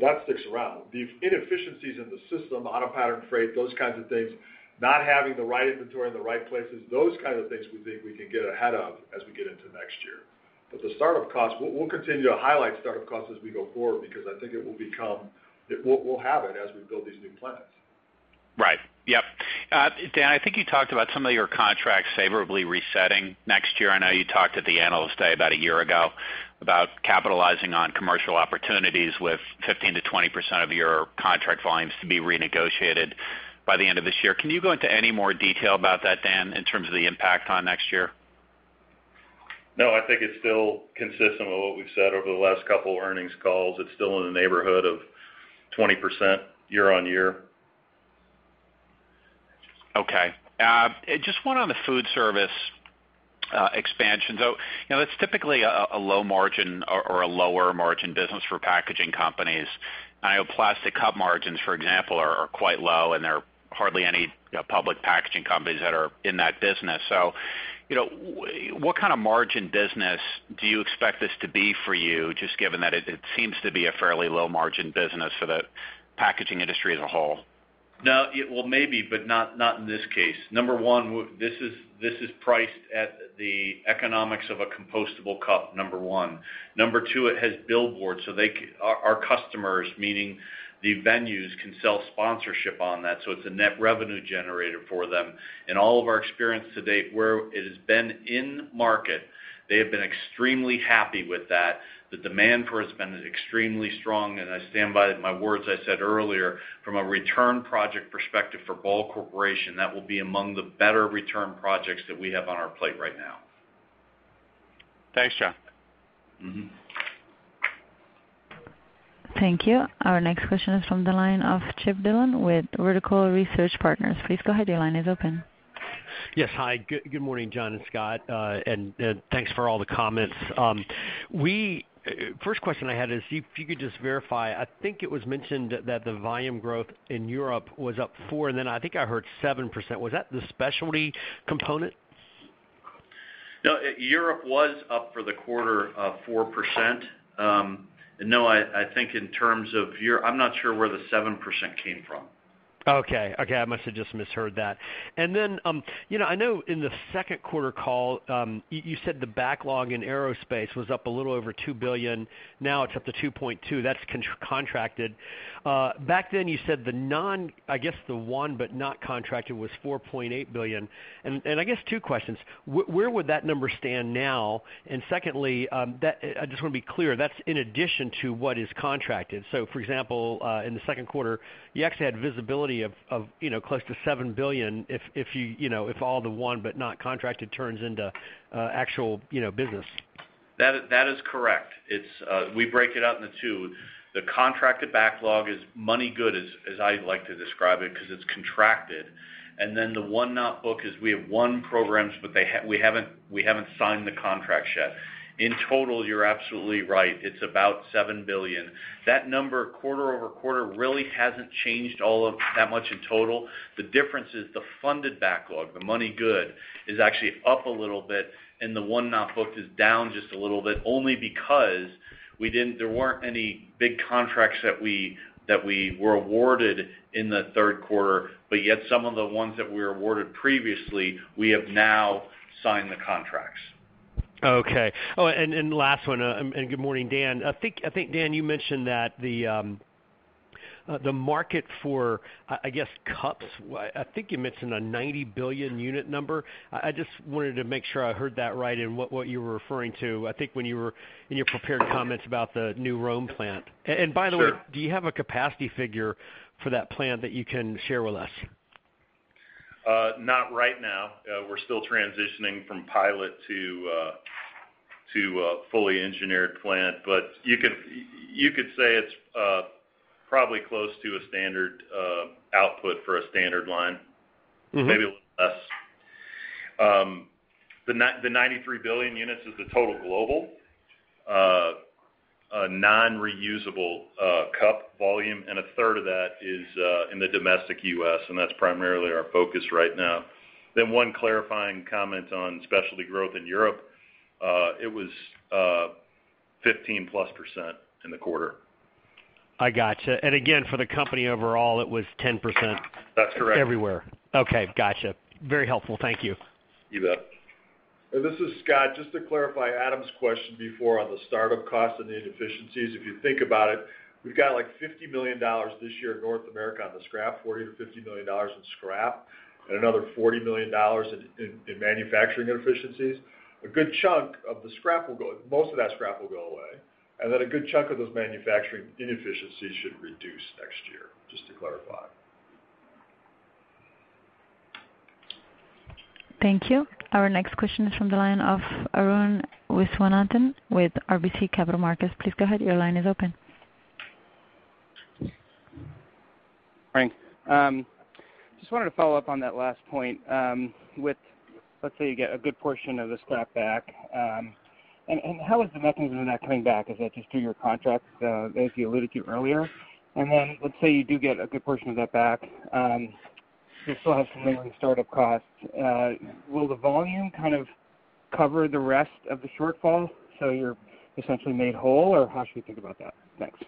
That sticks around. The inefficiencies in the system, out-of-pattern freight, those kinds of things, not having the right inventory in the right places, those kind of things we think we can get ahead of as we get into next year. The startup costs, we'll continue to highlight startup costs as we go forward because I think we'll have it as we build these new plants. Right. Yep. Dan, I think you talked about some of your contracts favorably resetting next year. I know you talked at the Analyst Day about a year ago about capitalizing on commercial opportunities with 15%-20% of your contract volumes to be renegotiated by the end of this year. Can you go into any more detail about that, Dan, in terms of the impact on next year? No, I think it's still consistent with what we've said over the last couple earnings calls. It's still in the neighborhood of 20% year-on-year. Okay. Just one on the food service expansion, though. It's typically a low margin or a lower margin business for packaging companies. I know plastic cup margins, for example, are quite low, and there are hardly any public packaging companies that are in that business. What kind of margin business do you expect this to be for you, just given that it seems to be a fairly low margin business for the packaging industry as a whole? No, well, maybe, but not in this case. Number 1, this is priced at the economics of a compostable cup, number 1. Number 2, it has billboards, so our customers, meaning the venues, can sell sponsorship on that. It's a net revenue generator for them. In all of our experience to date, where it has been in market, they have been extremely happy with that. The demand for it has been extremely strong, I stand by my words I said earlier, from a return project perspective for Ball Corporation, that will be among the better return projects that we have on our plate right now. Thanks, John. Thank you. Our next question is from the line of Chip Dillon with Vertical Research Partners. Please go ahead. Your line is open. Yes. Hi. Good morning, John and Scott. Thanks for all the comments. First question I had is if you could just verify, I think it was mentioned that the volume growth in Europe was up four, and then I think I heard 7%. Was that the specialty component? No, Europe was up for the quarter 4%. No, I'm not sure where the 7% came from. Okay. I must have just misheard that. I know in the second quarter call, you said the backlog in aerospace was up a little over $2 billion. Now it's up to $2.2 billion. That's contracted. Back then you said I guess the won but not contracted was $4.8 billion. I guess two questions. Where would that number stand now? Secondly, I just want to be clear, that's in addition to what is contracted. For example, in the second quarter, you actually had visibility of close to $7 billion if all the won but not contracted turns into actual business. That is correct. We break it out into two. The contracted backlog is money good, as I like to describe it, because it's contracted. Then the won not booked is we have won programs, but we haven't signed the contract yet. In total, you're absolutely right. It's about $7 billion. That number quarter-over-quarter really hasn't changed all of that much in total. The difference is the funded backlog, the money good, is actually up a little bit, and the won not booked is down just a little bit, only because there weren't any big contracts that we were awarded in the third quarter. Yet some of the ones that we were awarded previously, we have now signed the contracts. Okay. Last one, good morning, Dan. I think, Dan, you mentioned that the market for, I guess, cups, I think you mentioned a 90 billion unit number. I just wanted to make sure I heard that right and what you were referring to. I think when you were in your prepared comments about the new Rome plant. Sure. By the way, do you have a capacity figure for that plant that you can share with us? Not right now. We're still transitioning from pilot to a fully engineered plant. You could say it's probably close to a standard output for a standard line. Maybe a little less. The 93 billion units is the total global non-reusable cup volume, and a third of that is in the domestic U.S., and that's primarily our focus right now. One clarifying comment on specialty growth in Europe. It was 15%+ in the quarter. I got you. Again, for the company overall, it was 10%. That's correct. everywhere. Okay, got you. Very helpful. Thank you. You bet. This is Scott. Just to clarify Adam's question before on the startup cost and the inefficiencies. If you think about it, we've got like $40 million, and another $40 million in manufacturing inefficiencies. Most of that scrap will go away, and then a good chunk of those manufacturing inefficiencies should reduce next year. Just to clarify. Thank you. Our next question is from the line of Arun Viswanathan with RBC Capital Markets. Please go ahead. Your line is open. Thanks. I just wanted to follow up on that last point with, let's say you get a good portion of the scrap back. How is the mechanism of that coming back? Is that just through your contracts as you alluded to earlier? Let's say you do get a good portion of that back. You still have some lingering startup costs. Will the volume kind of cover the rest of the shortfall, so you're essentially made whole, or how should we think about that? Thanks.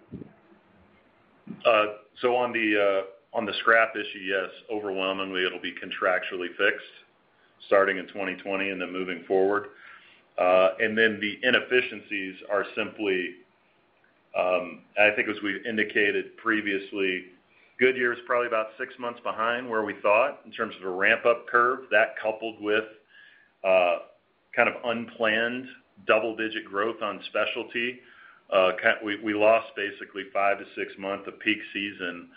On the scrap issue, yes, overwhelmingly, it'll be contractually fixed starting in 2020 and then moving forward. The inefficiencies are simply, I think as we've indicated previously, Goodyear is probably about six months behind where we thought in terms of a ramp-up curve. That coupled with kind of unplanned double-digit growth on specialty. We lost basically five to six month of peak season,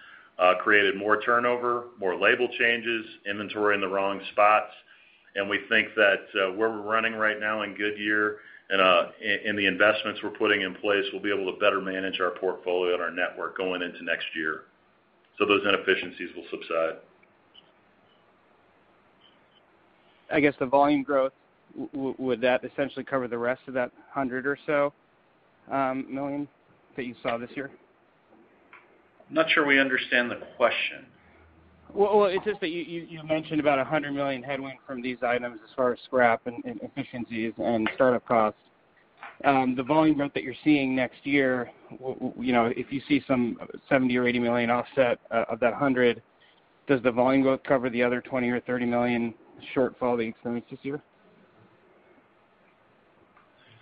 created more turnover, more label changes, inventory in the wrong spots, and we think that where we're running right now in Goodyear and the investments we're putting in place, we'll be able to better manage our portfolio and our network going into next year. Those inefficiencies will subside. I guess the volume growth, would that essentially cover the rest of that $100 million or so that you saw this year? Not sure we understand the question. Well, it's just that you mentioned about $100 million headwind from these items as far as scrap and inefficiencies and startup costs. The volume growth that you're seeing next year, if you see some $70 million or $80 million offset of that $100, does the volume growth cover the other $20 million or $30 million shortfall that you experienced this year?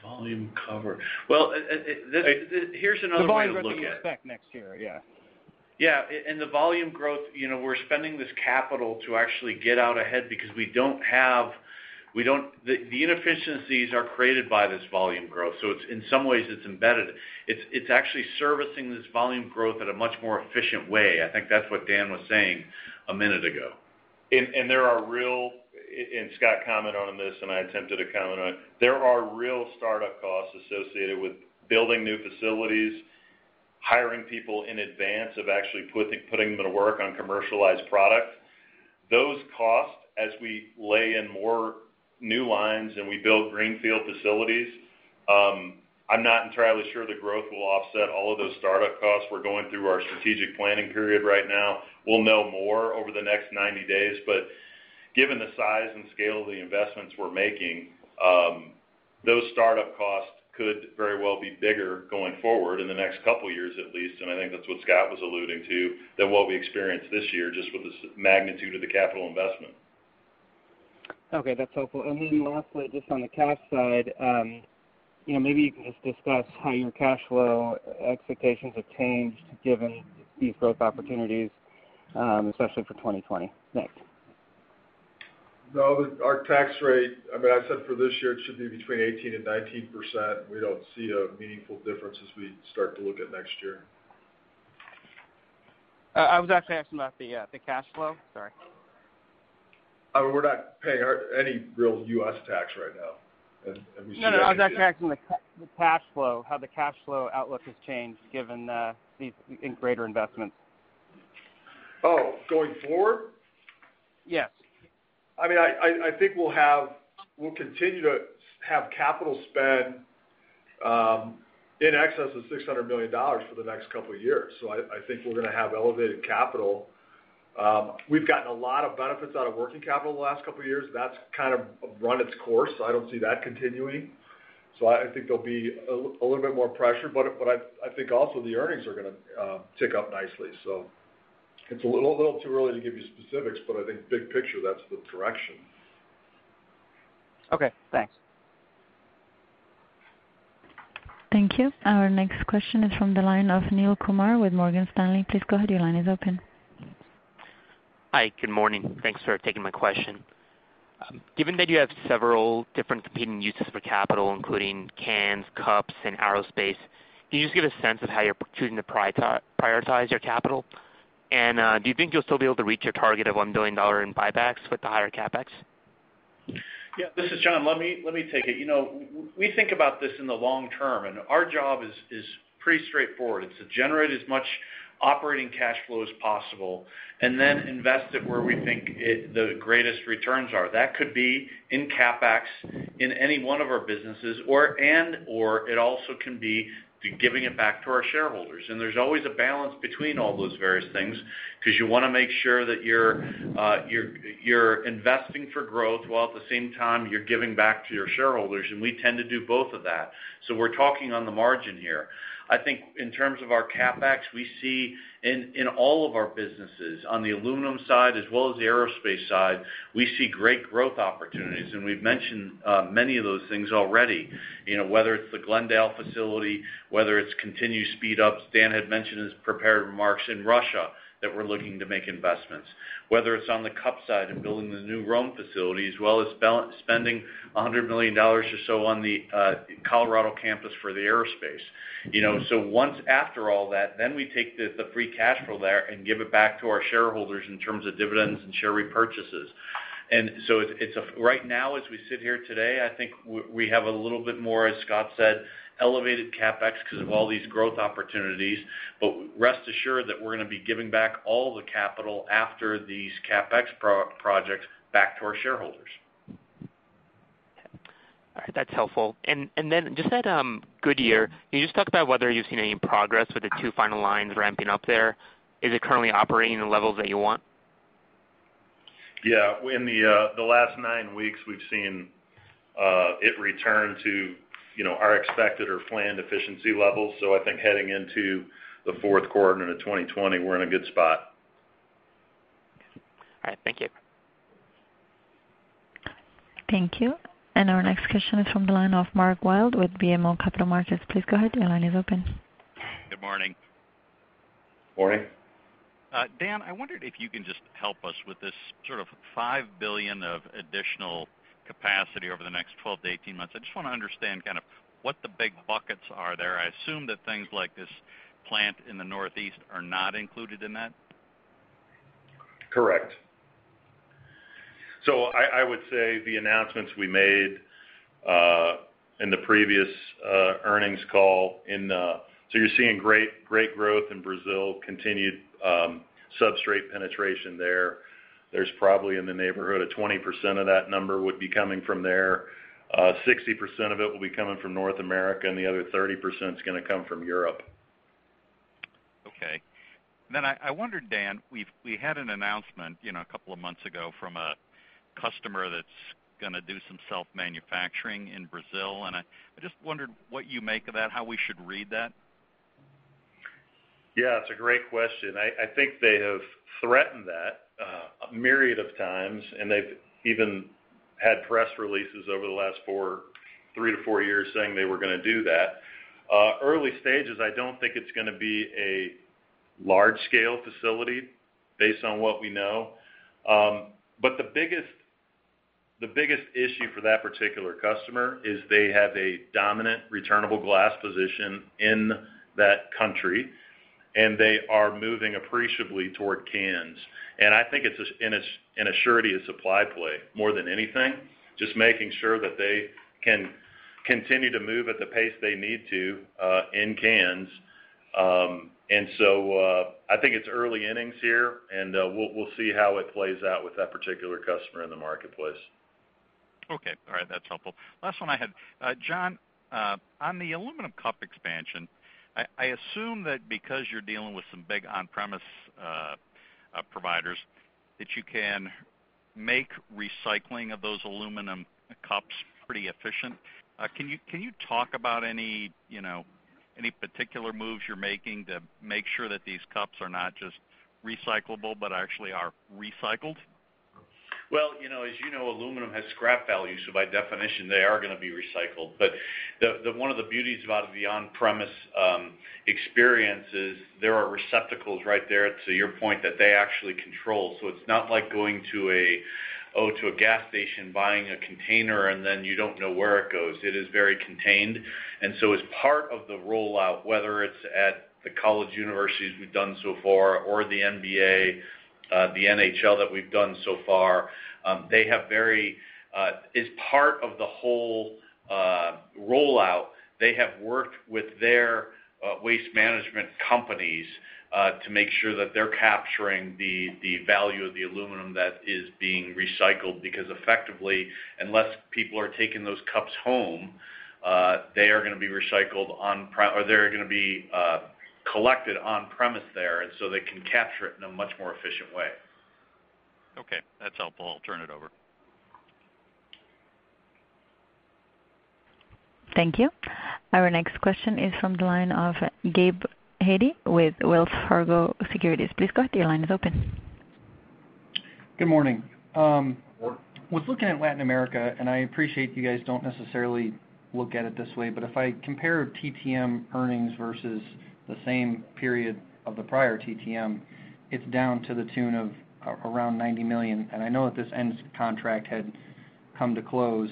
Volume cover. Well, here's another way to look at it. The volume that you expect next year, yeah. Yeah. In the volume growth, we're spending this capital to actually get out ahead because the inefficiencies are created by this volume growth. In some ways, it's embedded. It's actually servicing this volume growth at a much more efficient way. I think that's what Dan was saying a minute ago. There are real, and Scott commented on this, and I attempted to comment on it. There are real startup costs associated with building new facilities, hiring people in advance of actually putting them to work on commercialized product. Those costs, as we lay in more new lines and we build greenfield facilities, I'm not entirely sure the growth will offset all of those startup costs. We're going through our strategic planning period right now. We'll know more over the next 90 days. Given the size and scale of the investments we're making, those startup costs could very well be bigger going forward in the next couple of years at least, and I think that's what Scott was alluding to, than what we experienced this year just with the magnitude of the capital investment. Okay, that's helpful. Lastly, just on the cash side, maybe you can just discuss how your cash flow expectations have changed given these growth opportunities, especially for 2020. Thanks. No, our tax rate, I said for this year, it should be between 18% and 19%. We don't see a meaningful difference as we start to look at next year. I was actually asking about the cash flow. Sorry. We're not paying any real U.S. tax right now. I was actually asking the cash flow, how the cash flow outlook has changed given these greater investments. Oh, going forward? Yes. I think we'll continue to have capital spend in excess of $600 million for the next couple of years. I think we're going to have elevated capital. We've gotten a lot of benefits out of working capital the last couple of years. That's kind of run its course. I don't see that continuing. I think there'll be a little bit more pressure, but I think also the earnings are going to tick up nicely. It's a little too early to give you specifics, but I think big picture, that's the direction. Okay, thanks. Thank you. Our next question is from the line of Neel Kumar with Morgan Stanley. Please go ahead. Your line is open. Hi, good morning. Thanks for taking my question. Given that you have several different competing uses for capital, including cans, cups, and aerospace, can you just give a sense of how you're choosing to prioritize your capital? Do you think you'll still be able to reach your target of $1 billion in buybacks with the higher CapEx? Yeah. This is John. Let me take it. We think about this in the long term, our job is pretty straightforward. It's to generate as much operating cash flow as possible and then invest it where we think the greatest returns are. That could be in CapEx in any one of our businesses, and/or it also can be to giving it back to our shareholders. There's always a balance between all those various things, because you want to make sure that you're investing for growth while at the same time you're giving back to your shareholders, and we tend to do both of that. We're talking on the margin here. I think in terms of our CapEx, we see in all of our businesses, on the aluminum side as well as the aerospace side, we see great growth opportunities, and we've mentioned many of those things already. Whether it's the Glendale facility, whether it's continued speed-ups. Dan had mentioned his prepared remarks in Russia that we're looking to make investments. Whether it's on the cup side and building the new Rome facility, as well as spending $100 million or so on the Colorado campus for the aerospace. Once after all that, then we take the free cash flow there and give it back to our shareholders in terms of dividends and share repurchases. Right now, as we sit here today, I think we have a little bit more, as Scott said, elevated CapEx because of all these growth opportunities. Rest assured that we're going to be giving back all the capital after these CapEx projects back to our shareholders. All right, that's helpful. Just at Goodyear, can you just talk about whether you've seen any progress with the two final lines ramping up there? Is it currently operating the levels that you want? Yeah. In the last nine weeks, we've seen it return to our expected or planned efficiency levels. I think heading into the fourth quarter into 2020, we're in a good spot. All right. Thank you. Thank you. Our next question is from the line of Mark Wilde with BMO Capital Markets. Please go ahead. Your line is open. Good morning. Morning. Dan, I wondered if you can just help us with this sort of $5 billion of additional capacity over the next 12 to 18 months. I just want to understand kind of what the big buckets are there. I assume that things like this plant in the Northeast are not included in that. Correct. I would say the announcements we made in the previous earnings call. You're seeing great growth in Brazil, continued substrate penetration there. There's probably in the neighborhood of 20% of that number would be coming from there. 60% of it will be coming from North America, and the other 30% is going to come from Europe. Okay. I wondered, Dan, we had an announcement a couple of months ago from a customer that's going to do some self-manufacturing in Brazil, and I just wondered what you make of that, how we should read that. Yeah, it's a great question. I think they have threatened that a myriad of times, and they've even had press releases over the last three to four years saying they were going to do that. Early stages, I don't think it's going to be a large-scale facility based on what we know. The biggest issue for that particular customer is they have a dominant returnable glass position in that country, and they are moving appreciably toward cans. I think it's in a surety of supply play more than anything, just making sure that they can continue to move at the pace they need to in cans. I think it's early innings here, and we'll see how it plays out with that particular customer in the marketplace. Okay. All right. That's helpful. Last one I had. John, on the Aluminum Cup expansion, I assume that because you're dealing with some big on-premise providers, that you can make recycling of those Aluminum Cups pretty efficient. Can you talk about any particular moves you're making to make sure that these cups are not just recyclable but actually are recycled? As you know, aluminum has scrap value, so by definition, they are going to be recycled. One of the beauties about the on-premise experience is there are receptacles right there, to your point, that they actually control. It's not like going to a gas station buying a container, and then you don't know where it goes. It is very contained. As part of the rollout, whether it's at the college universities we've done so far, or the NBA, the NHL that we've done so far, as part of the whole rollout, they have worked with their waste management companies to make sure that they're capturing the value of the aluminum that is being recycled. Because effectively, unless people are taking those cups home, they are going to be collected on premise there, and so they can capture it in a much more efficient way. Okay. That's helpful. I'll turn it over. Thank you. Our next question is from the line of Gabe Hajde with Wells Fargo Securities. Please go ahead. Your line is open. Good morning. Good morning. I was looking at Latin America. I appreciate you guys don't necessarily look at it this way, if I compare TTM earnings versus the same period of the prior TTM, it's down to the tune of around $90 million. I know that this end contract had come to close.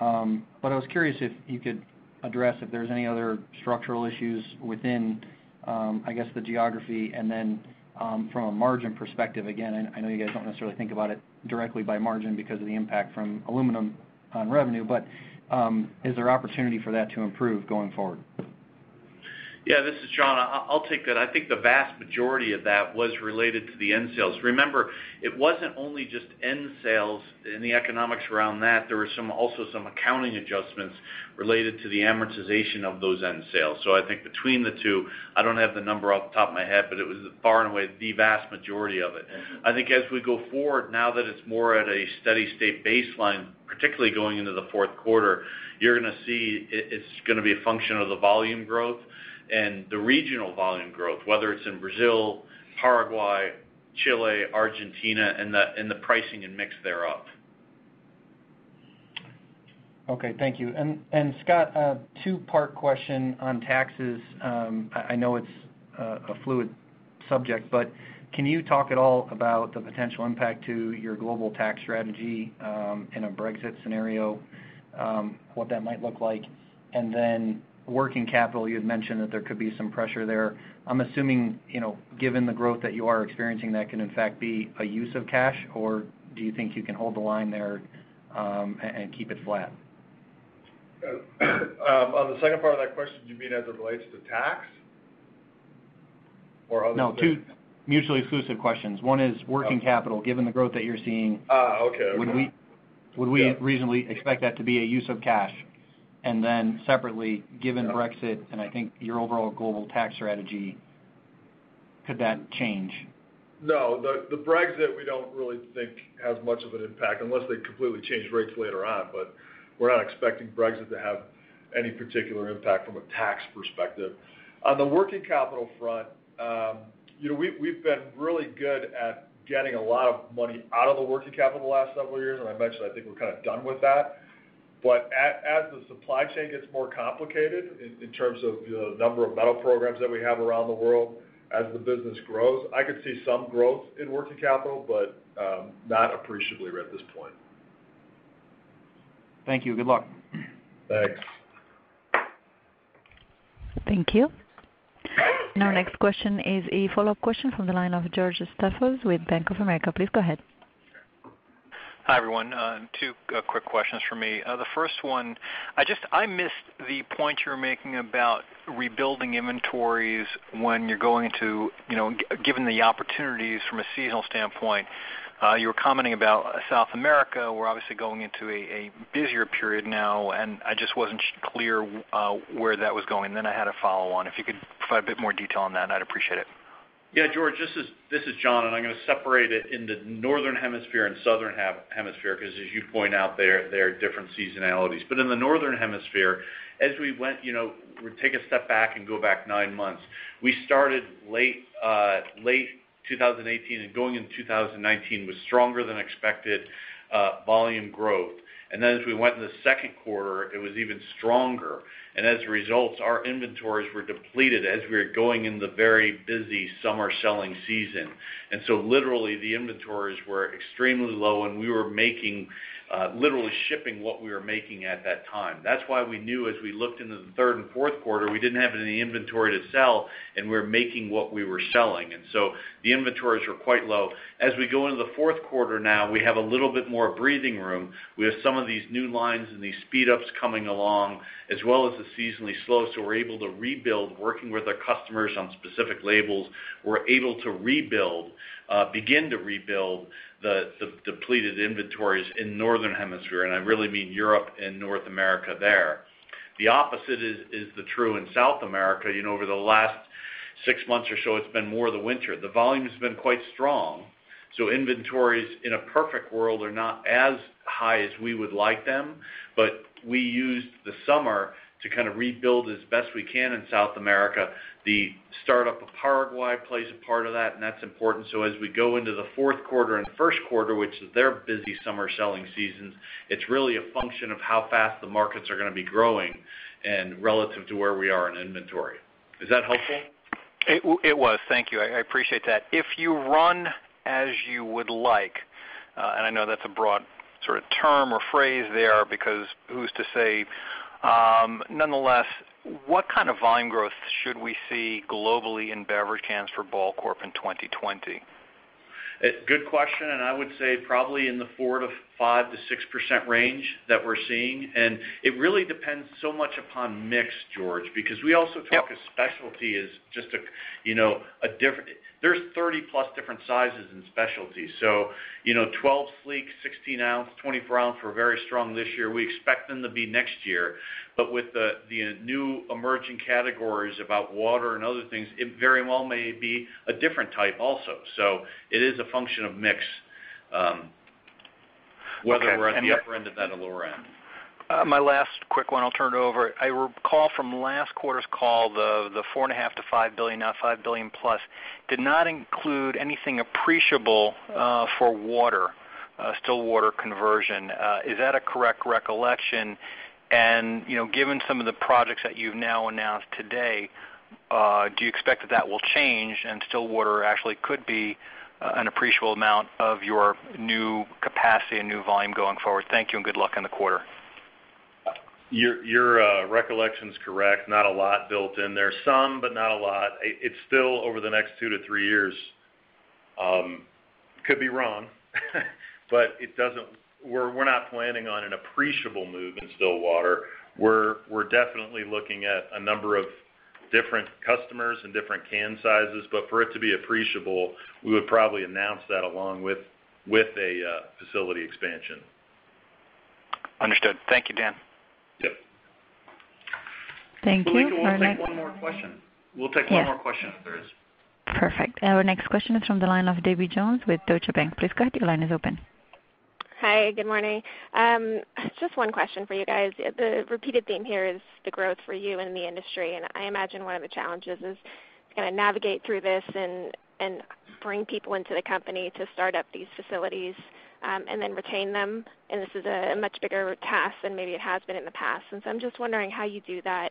I was curious if you could address if there's any other structural issues within, I guess, the geography. From a margin perspective, again, I know you guys don't necessarily think about it directly by margin because of the impact from aluminum on revenue, is there opportunity for that to improve going forward? Yeah. This is John. I'll take that. I think the vast majority of that was related to the end sales. Remember, it wasn't only just end sales and the economics around that, there were also some accounting adjustments related to the amortization of those end sales. I think between the two, I don't have the number off the top of my head, but it was far and away the vast majority of it. I think as we go forward, now that it's more at a steady state baseline, particularly going into the fourth quarter, you're going to see it's going to be a function of the volume growth and the regional volume growth, whether it's in Brazil, Paraguay, Chile, Argentina, and the pricing and mix thereof. Okay. Thank you. Scott, a two-part question on taxes. I know it's a fluid subject, but can you talk at all about the potential impact to your global tax strategy in a Brexit scenario, what that might look like? Working capital, you had mentioned that there could be some pressure there. I'm assuming, given the growth that you are experiencing, that can in fact be a use of cash, or do you think you can hold the line there and keep it flat? On the second part of that question, do you mean as it relates to tax or other things? No, two mutually exclusive questions. One is working capital, given the growth that you're seeing. Okay. Would we reasonably expect that to be a use of cash? Separately, given Brexit and I think your overall global tax strategy, could that change? No. The Brexit we don't really think has much of an impact unless they completely change rates later on. We're not expecting Brexit to have any particular impact from a tax perspective. On the working capital front, we've been really good at getting a lot of money out of the working capital the last several years, and I mentioned I think we're kind of done with that. As the supply chain gets more complicated in terms of the number of metal programs that we have around the world, as the business grows, I could see some growth in working capital, but not appreciably at this point. Thank you. Good luck. Thanks. Thank you. Our next question is a follow-up question from the line of George Staphos with Bank of America. Please go ahead. Hi, everyone. Two quick questions from me. The first one, I missed the point you were making about rebuilding inventories when you're going to, given the opportunities from a seasonal standpoint. You were commenting about South America. We're obviously going into a busier period now, and I just wasn't clear where that was going. I had a follow-on. If you could provide a bit more detail on that, I'd appreciate it. Yeah, George, this is John. I'm going to separate it into Northern Hemisphere and Southern Hemisphere, because as you point out, there are different seasonalities. In the Northern Hemisphere, as we take a step back and go back nine months, we started late 2018, and going into 2019 with stronger than expected volume growth. As we went in the second quarter, it was even stronger. As a result, our inventories were depleted as we were going in the very busy summer selling season. Literally, the inventories were extremely low, and we were literally shipping what we were making at that time. That's why we knew as we looked into the third and fourth quarter, we didn't have any inventory to sell, and we were making what we were selling. The inventories were quite low. As we go into the fourth quarter now, we have a little bit more breathing room. We have some of these new lines and these speed-ups coming along, as well as the seasonally slow. We're able to rebuild, working with our customers on specific labels. We're able to begin to rebuild the depleted inventories in Northern Hemisphere, and I really mean Europe and North America there. The opposite is true in South America. Over the last six months or so, it's been more the winter. The volume's been quite strong. Inventories, in a perfect world, are not as high as we would like them, but we used the summer to kind of rebuild as best we can in South America. The startup of Paraguay plays a part of that, and that's important. As we go into the fourth quarter and first quarter, which is their busy summer selling seasons, it's really a function of how fast the markets are going to be growing and relative to where we are in inventory. Is that helpful? It was. Thank you. I appreciate that. If you run as you would like, and I know that's a broad term or phrase there, because who's to say? Nonetheless, what kind of volume growth should we see globally in beverage cans for Ball Corp in 2020? Good question. I would say probably in the 4% to 5% to 6% range that we're seeing. It really depends so much upon mix, George, because we also talk of specialty as just a different, there's 30-plus different sizes in specialties. 12 sleek, 16 ounce, 24 ounce were very strong this year. We expect them to be next year. With the new emerging categories about water and other things, it very well may be a different type also. It is a function of mix, whether we're at the upper end of that or lower end. My last quick one, I'll turn it over. I recall from last quarter's call, the $4.5 billion-$5 billion, now $5 billion-plus, did not include anything appreciable for water, still water conversion. Is that a correct recollection? Given some of the projects that you've now announced today, do you expect that that will change and still water actually could be an appreciable amount of your new capacity and new volume going forward? Thank you, and good luck on the quarter. Your recollection's correct. Not a lot built in there. Some, but not a lot. It's still over the next two to three years. Could be wrong, but we're not planning on an appreciable move in still water. We're definitely looking at a number of different customers and different can sizes, but for it to be appreciable, we would probably announce that along with a facility expansion. Understood. Thank you, Dan. Yep. Thank you. Our next. Malika, we'll take one more question. Yeah. We'll take one more question if there is. Perfect. Our next question is from the line of Debbie Jones with Deutsche Bank. Please go ahead, your line is open. Hi, good morning. Just one question for you guys. The repeated theme here is the growth for you and the industry. I imagine one of the challenges is going to navigate through this and bring people into the company to start up these facilities, and then retain them. This is a much bigger task than maybe it has been in the past. I'm just wondering how you do that.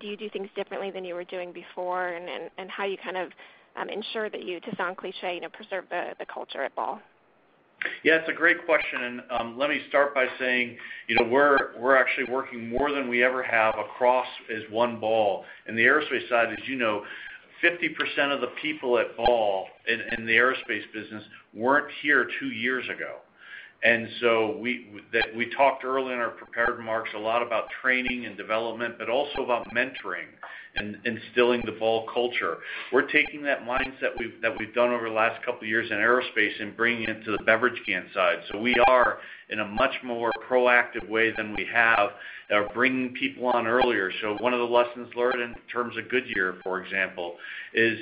Do you do things differently than you were doing before? How you ensure that you, to sound cliché, preserve the culture at Ball? Yeah, it's a great question. Let me start by saying, we're actually working more than we ever have across as one Ball. In the aerospace side, as you know, 50% of the people at Ball in the aerospace business weren't here two years ago. We talked early in our prepared marks a lot about training and development, but also about mentoring and instilling the Ball culture. We're taking that mindset that we've done over the last couple of years in aerospace and bringing it to the beverage can side. We are in a much more proactive way than we have at bringing people on earlier. One of the lessons learned in terms of Goodyear, for example, is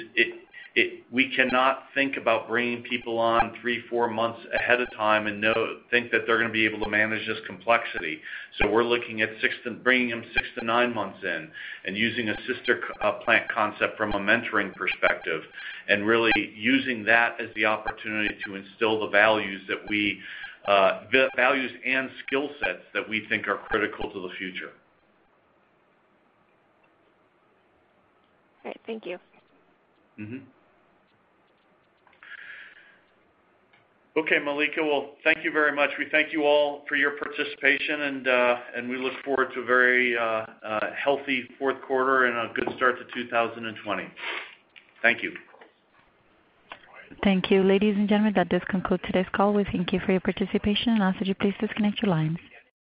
we cannot think about bringing people on three, four months ahead of time and think that they're going to be able to manage this complexity. We're looking at bringing them six to nine months in and using a sister plant concept from a mentoring perspective, and really using that as the opportunity to instill the values and skill sets that we think are critical to the future. All right. Thank you. Okay, Malika. Well, thank you very much. We thank you all for your participation, and we look forward to a very healthy fourth quarter and a good start to 2020. Thank you. Thank you. Ladies and gentlemen, that does conclude today's call. We thank you for your participation and ask that you please disconnect your lines.